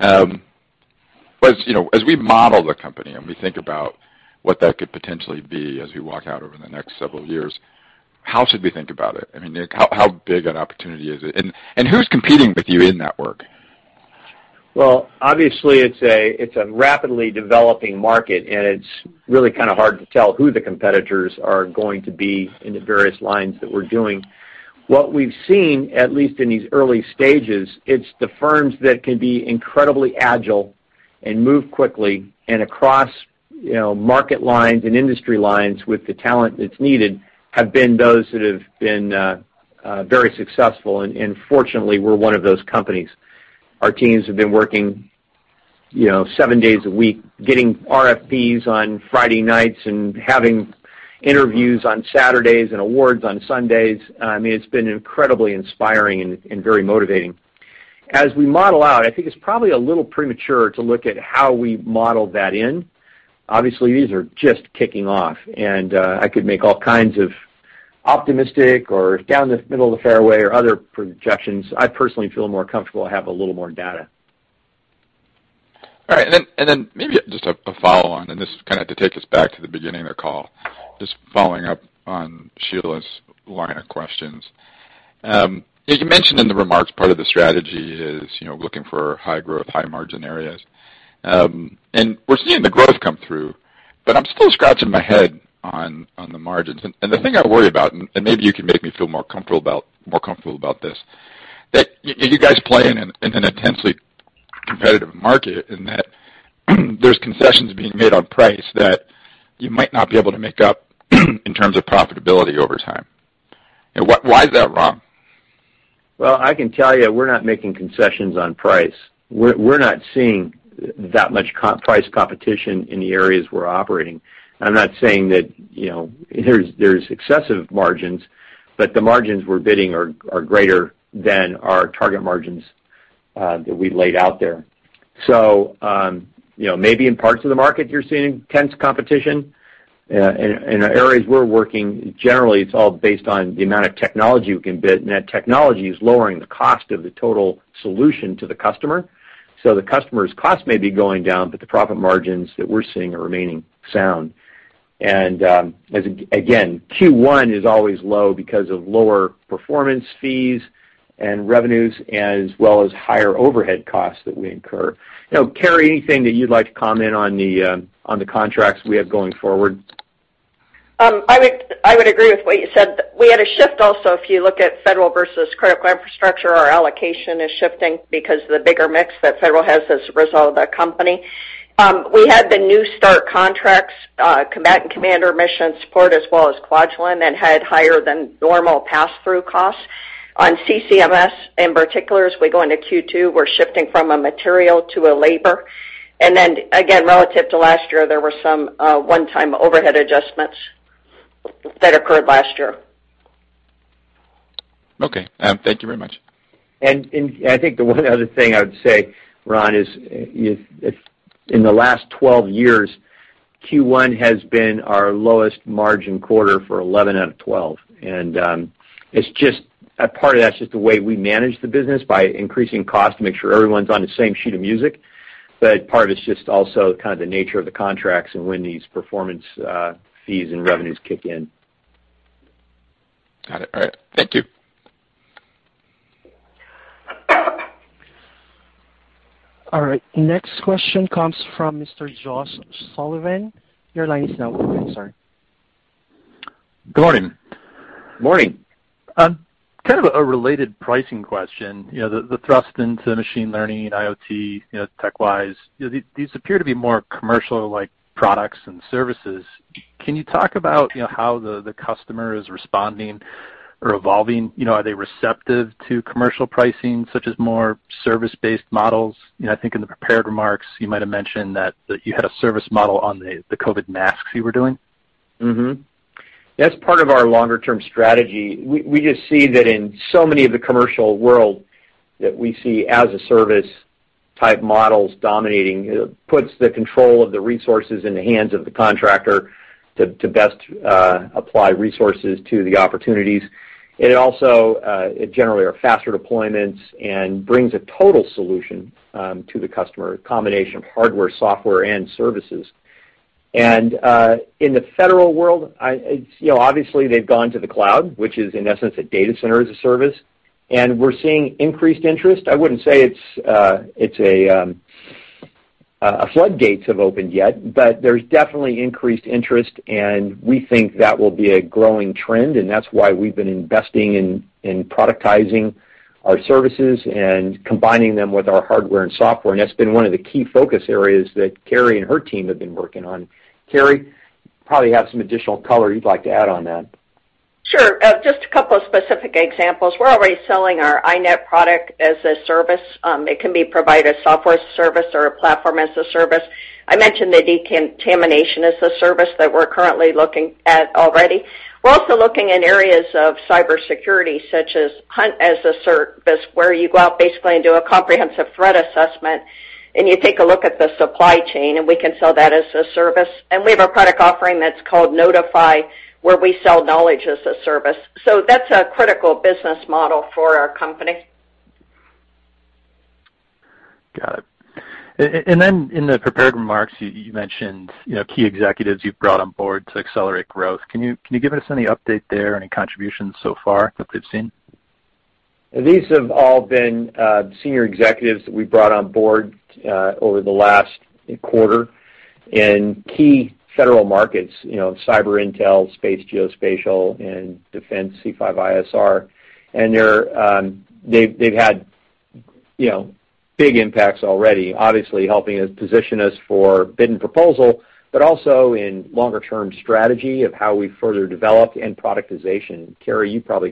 As we model the company and we think about what that could potentially be as we walk out over the next several years, how should we think about it? How big an opportunity is it? Who's competing with you in that work? Well, obviously, it's a rapidly developing market, and it's really kind of hard to tell who the competitors are going to be in the various lines that we're doing. What we've seen, at least in these early stages, it's the firms that can be incredibly agile and move quickly and across market lines and industry lines with the talent that's needed have been those that have been very successful, and fortunately, we're one of those companies. Our teams have been working seven days a week, getting RFPs on Friday nights and having interviews on Saturdays and awards on Sundays. It's been incredibly inspiring and very motivating. As we model out, I think it's probably a little premature to look at how we model that in. Obviously, these are just kicking off, and I could make all kinds of optimistic or down the middle of the fairway or other projections. I personally feel more comfortable I have a little more data. All right. Maybe just a follow-on, and this kind of to take us back to the beginning of the call, just following up on Sheila's line of questions. You mentioned in the remarks, part of the strategy is looking for high growth, high margin areas. We're seeing the growth come through, but I'm still scratching my head on the margins. The thing I worry about, and maybe you can make me feel more comfortable about this, that you guys play in an intensely competitive market, in that there's concessions being made on price that you might not be able to make up in terms of profitability over time. Why is that, Ron? Well, I can tell you, we're not making concessions on price. We're not seeing that much price competition in the areas we're operating. I'm not saying that there's excessive margins, but the margins we're bidding are greater than our target margins that we laid out there. Maybe in parts of the market, you're seeing intense competition. In the areas we're working, generally, it's all based on the amount of technology we can bid, and that technology is lowering the cost of the total solution to the customer. The customer's cost may be going down, but the profit margins that we're seeing are remaining sound. Again, Q1 is always low because of lower performance fees and revenues, as well as higher overhead costs that we incur. Carey, anything that you'd like to comment on the contracts we have going forward? I would agree with what you said. We had a shift also, if you look at Federal versus Critical Infrastructure, our allocation is shifting because of the bigger mix that Federal has as a result of the company. We had the new start contracts, Combatant Commands Cyber Mission Support, as well as Kwajalein, had higher than normal passthrough costs. On CCMS, in particular, as we go into Q2, we're shifting from a material to a labor. Again, relative to last year, there were some one-time overhead adjustments that occurred last year. Okay. Thank you very much. I think the one other thing I would say, Ron, is in the last 12 years, Q1 has been our lowest margin quarter for 11 out of 12. Part of that's just the way we manage the business by increasing cost to make sure everyone's on the same sheet of music. Part of it's just also kind of the nature of the contracts and when these performance fees and revenues kick in. Got it. All right. Thank you. All right. Next question comes from Mr. Josh Sullivan. Your line is now open, sir. Good morning. Morning. Kind of a related pricing question. The thrust into machine learning and IoT tech-wise, these appear to be more commercial-like products and services. Can you talk about how the customer is responding or evolving? Are they receptive to commercial pricing, such as more service-based models? I think in the prepared remarks, you might have mentioned that you had a service model on the COVID masks you were doing. That's part of our longer-term strategy. We just see that in so many of the commercial world that we see as a service type models dominating. It puts the control of the resources in the hands of the contractor to best apply resources to the opportunities. It also, generally, are faster deployments and brings a total solution to the customer, a combination of hardware, software, and services. In the federal world, obviously, they've gone to the cloud, which is in essence a data center as a service, and we're seeing increased interest. I wouldn't say flood gates have opened yet, but there's definitely increased interest, and we think that will be a growing trend, and that's why we've been investing in productizing our services and combining them with our hardware and software, and that's been one of the key focus areas that Carey and her team have been working on. Carey, you probably have some additional color you'd like to add on that. Sure. Just a couple of specific examples. We're already selling our iNET product as a service. It can be provided as software service or a platform as a service. I mentioned the decontamination as a service that we're currently looking at already. We're also looking in areas of cybersecurity, such as hunt as a service, where you go out basically and do a comprehensive threat assessment and you take a look at the supply chain, and we can sell that as a service. We have a product offering that's called Knowtify, where we sell knowledge as a service. That's a critical business model for our company. Got it. In the prepared remarks, you mentioned key executives you've brought on board to accelerate growth. Can you give us any update there? Any contributions so far that they've seen? These have all been senior executives that we brought on board over the last quarter in key federal markets, cyber intel, space geospatial, and defense C5ISR. They've had big impacts already, obviously helping us position us for bid and proposal, but also in longer-term strategy of how we further develop and productization. Carey, you probably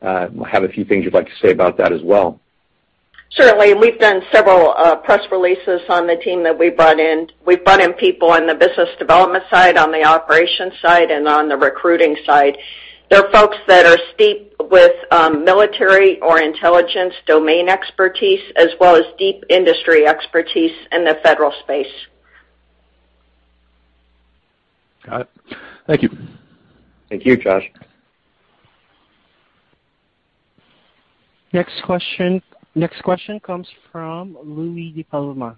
have a few things you'd like to say about that as well. Certainly. We've done several press releases on the team that we brought in. We've brought in people on the business development side, on the operations side, and on the recruiting side. They're folks that are steeped with military or intelligence domain expertise, as well as deep industry expertise in the federal space. Got it. Thank you. Thank you, Josh. Next question comes from Louie DiPalma.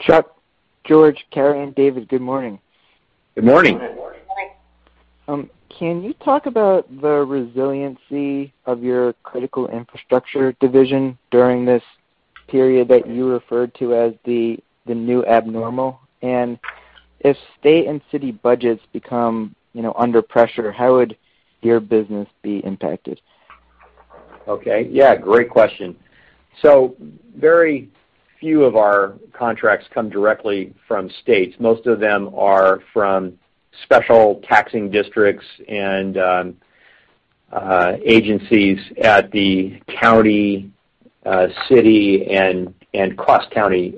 Chuck, George, Carey, and David, good morning. Good morning. Can you talk about the resiliency of your Critical Infrastructure division during this period that you referred to as the new abnormal? If state and city budgets become under pressure, how would your business be impacted? Okay. Yeah, great question. Very few of our contracts come directly from states. Most of them are from special taxing districts and agencies at the county, city, and cross-county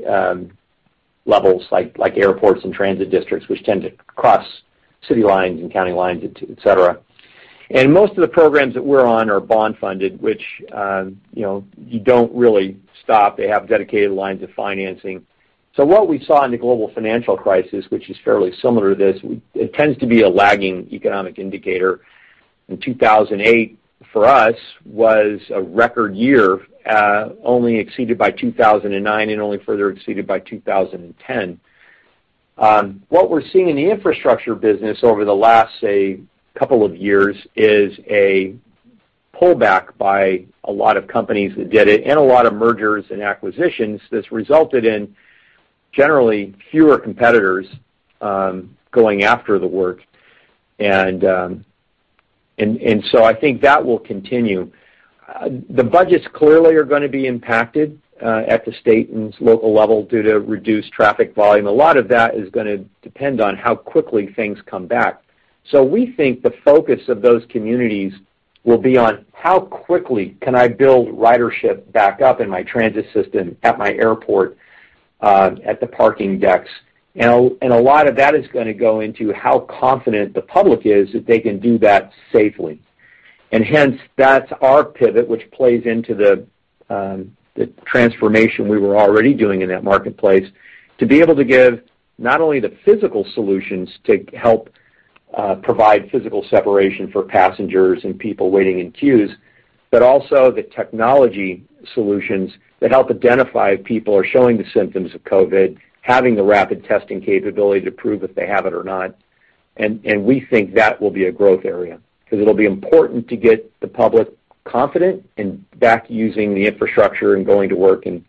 levels, like airports and transit districts, which tend to cross city lines and county lines, et cetera. Most of the programs that we're on are bond funded, which you don't really stop. They have dedicated lines of financing. What we saw in the global financial crisis, which is fairly similar to this, it tends to be a lagging economic indicator. In 2008, for us, was a record year, only exceeded by 2009 and only further exceeded by 2010. What we're seeing in the infrastructure business over the last, say, couple of years is a pullback by a lot of companies that did it and a lot of mergers and acquisitions that's resulted in generally fewer competitors going after the work. I think that will continue. The budgets clearly are going to be impacted at the state and local level due to reduced traffic volume. A lot of that is going to depend on how quickly things come back. We think the focus of those communities will be on how quickly can I build ridership back up in my transit system at my airport, at the parking decks. A lot of that is going to go into how confident the public is that they can do that safely. Hence, that's our pivot, which plays into the transformation we were already doing in that marketplace, to be able to give not only the physical solutions to help provide physical separation for passengers and people waiting in queues, but also the technology solutions that help identify if people are showing the symptoms of COVID-19, having the rapid testing capability to prove if they have it or not. We think that will be a growth area because it'll be important to get the public confident and back using the infrastructure and going to work and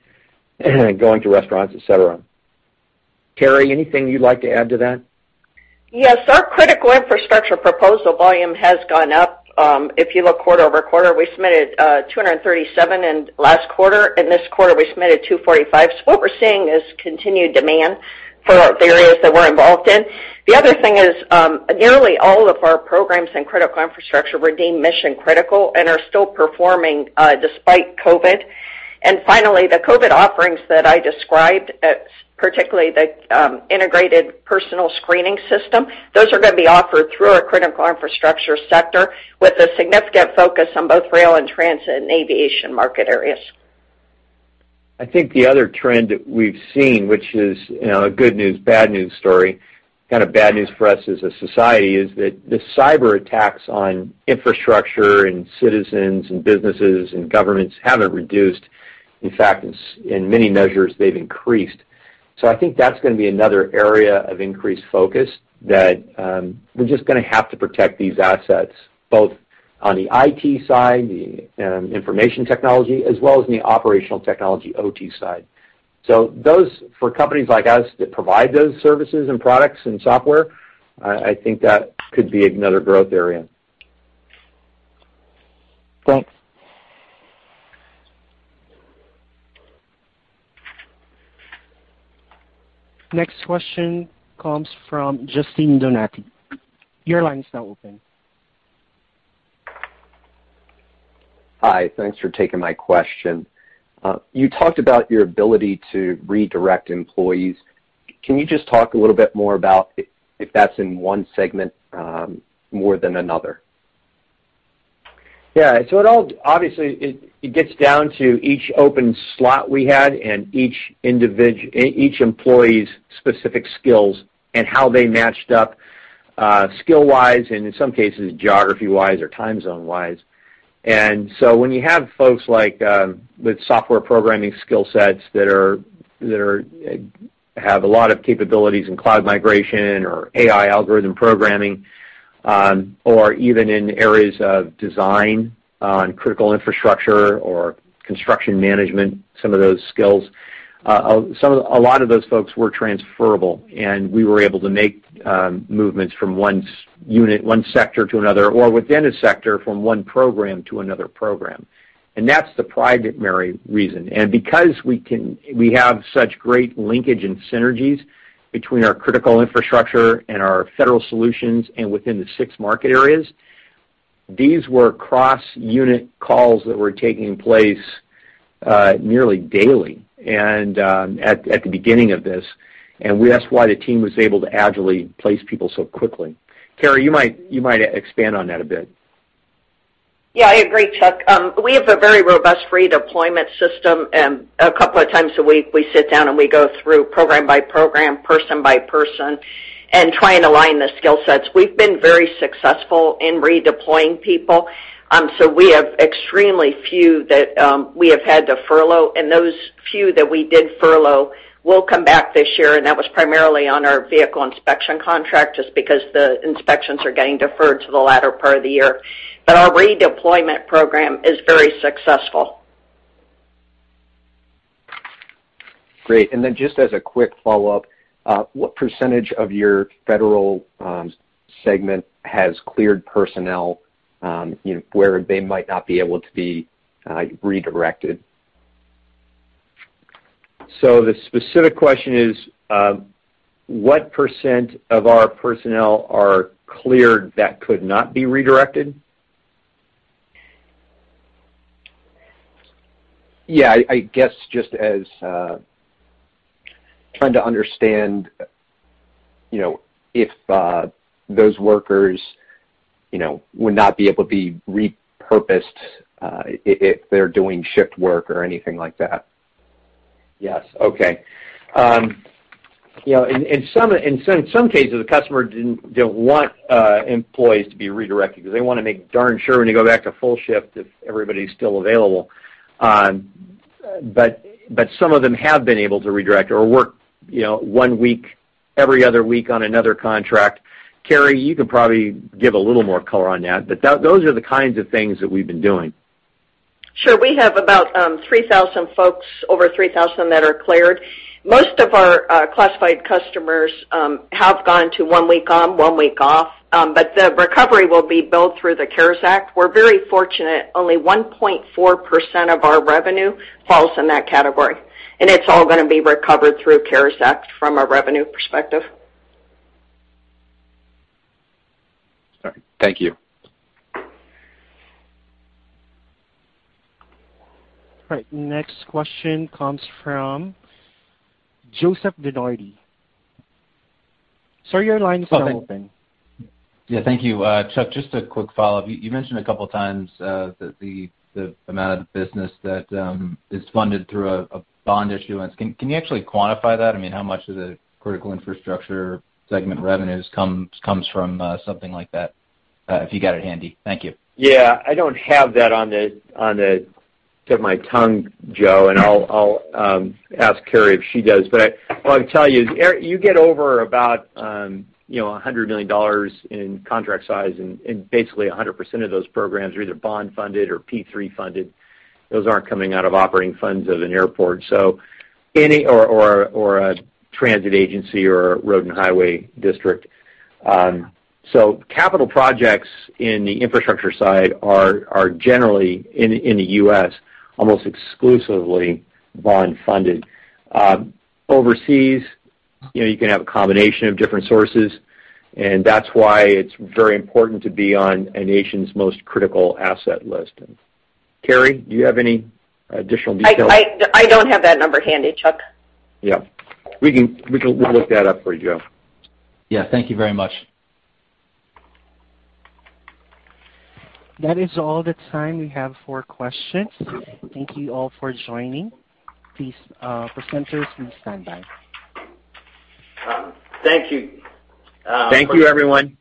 going to restaurants, et cetera. Carey, anything you'd like to add to that? Yes. Our Critical Infrastructure proposal volume has gone up. If you look quarter-over-quarter, we submitted 237 in last quarter. In this quarter, we submitted 245. What we're seeing is continued demand for the areas that we're involved in. The other thing is nearly all of our programs in Critical Infrastructure were deemed mission critical and are still performing despite COVID. Finally, the COVID offerings that I described, particularly the integrated personal screening system, those are going to be offered through our Critical Infrastructure sector with a significant focus on both rail and transit and aviation market areas. I think the other trend that we've seen, which is a good news, bad news story, kind of bad news for us as a society, is that the cyber attacks on infrastructure and citizens and businesses and governments haven't reduced. In fact, in many measures, they've increased. I think that's going to be another area of increased focus that we're just going to have to protect these assets, both on the IT side, the information technology, as well as in the operational technology, OT side. Those for companies like us that provide those services and products and software, I think that could be another growth area. Thanks. Next question comes from Justin Donati. Your line is now open. Hi. Thanks for taking my question. You talked about your ability to redirect employees. Can you just talk a little bit more about if that's in one segment more than another? Yeah. It all obviously gets down to each open slot we had and each employee's specific skills and how they matched up skill-wise and in some cases, geography-wise or time zone-wise. When you have folks with software programming skill sets that have a lot of capabilities in cloud migration or AI algorithm programming, or even in areas of design on Critical Infrastructure or construction management, some of those skills, a lot of those folks were transferable, and we were able to make movements from one unit, one sector to another, or within a sector from one program to another program. That's the primary reason and because we have such great linkage and synergies between our Critical Infrastructure and our Federal Solutions and within the six market areas, these were cross-unit calls that were taking place nearly daily at the beginning of this. That's why the team was able to agilely place people so quickly. Carey, you might expand on that a bit. Yeah, I agree, Chuck. We have a very robust redeployment system. A couple of times a week, we sit down and we go through program by program, person by person, and try and align the skill sets. We've been very successful in redeploying people. We have extremely few that we have had to furlough, and those few that we did furlough will come back this year, and that was primarily on our vehicle inspection contract, just because the inspections are getting deferred to the latter part of the year. Our redeployment program is very successful. Great. Then just as a quick follow-up, what percentage of your Federal Solutions segment has cleared personnel, where they might not be able to be redirected? The specific question is, what percent of our personnel are cleared that could not be redirected? I guess just as trying to understand if those workers would not be able to be repurposed if they're doing shift work or anything like that. Yes. Okay. In some cases, the customer didn't want employees to be redirected because they want to make darn sure when you go back to full shift, if everybody's still available. Some of them have been able to redirect or work one week every other week on another contract. Carey, you can probably give a little more color on that, but those are the kinds of things that we've been doing. Sure. We have about 3,000 folks, over 3,000 that are cleared. Most of our classified customers have gone to one week on, one week off. The recovery will be billed through the CARES Act. We're very fortunate. Only 1.4% of our revenue falls in that category, and it's all going to be recovered through the CARES Act from a revenue perspective. All right. Thank you. All right. Next question comes from Joseph DeNardi. Sir, your line is open. Yeah. Thank you. Chuck, just a quick follow-up. You mentioned a couple of times that the amount of business that is funded through a bond issuance. Can you actually quantify that? I mean, how much of the Critical Infrastructure segment revenues comes from something like that, if you got it handy? Thank you. Yeah. I don't have that on the tip of my tongue, Joe, and I'll ask Carey if she does. What I can tell you is, you get over about $100 million in contract size and basically 100% of those programs are either bond funded or P3 funded. Those aren't coming out of operating funds of an airport or a transit agency or road and highway district. Capital projects in the infrastructure side are generally, in the U.S., almost exclusively bond funded. Overseas, you can have a combination of different sources, and that's why it's very important to be on a nation's most critical asset list. Carey, do you have any additional details? I don't have that number handy, Chuck. Yeah. We can look that up for you, Joe. Yeah. Thank you very much. That is all the time we have for questions. Thank you all for joining. Please, presenters can stand by. Thank you. Thank you, everyone.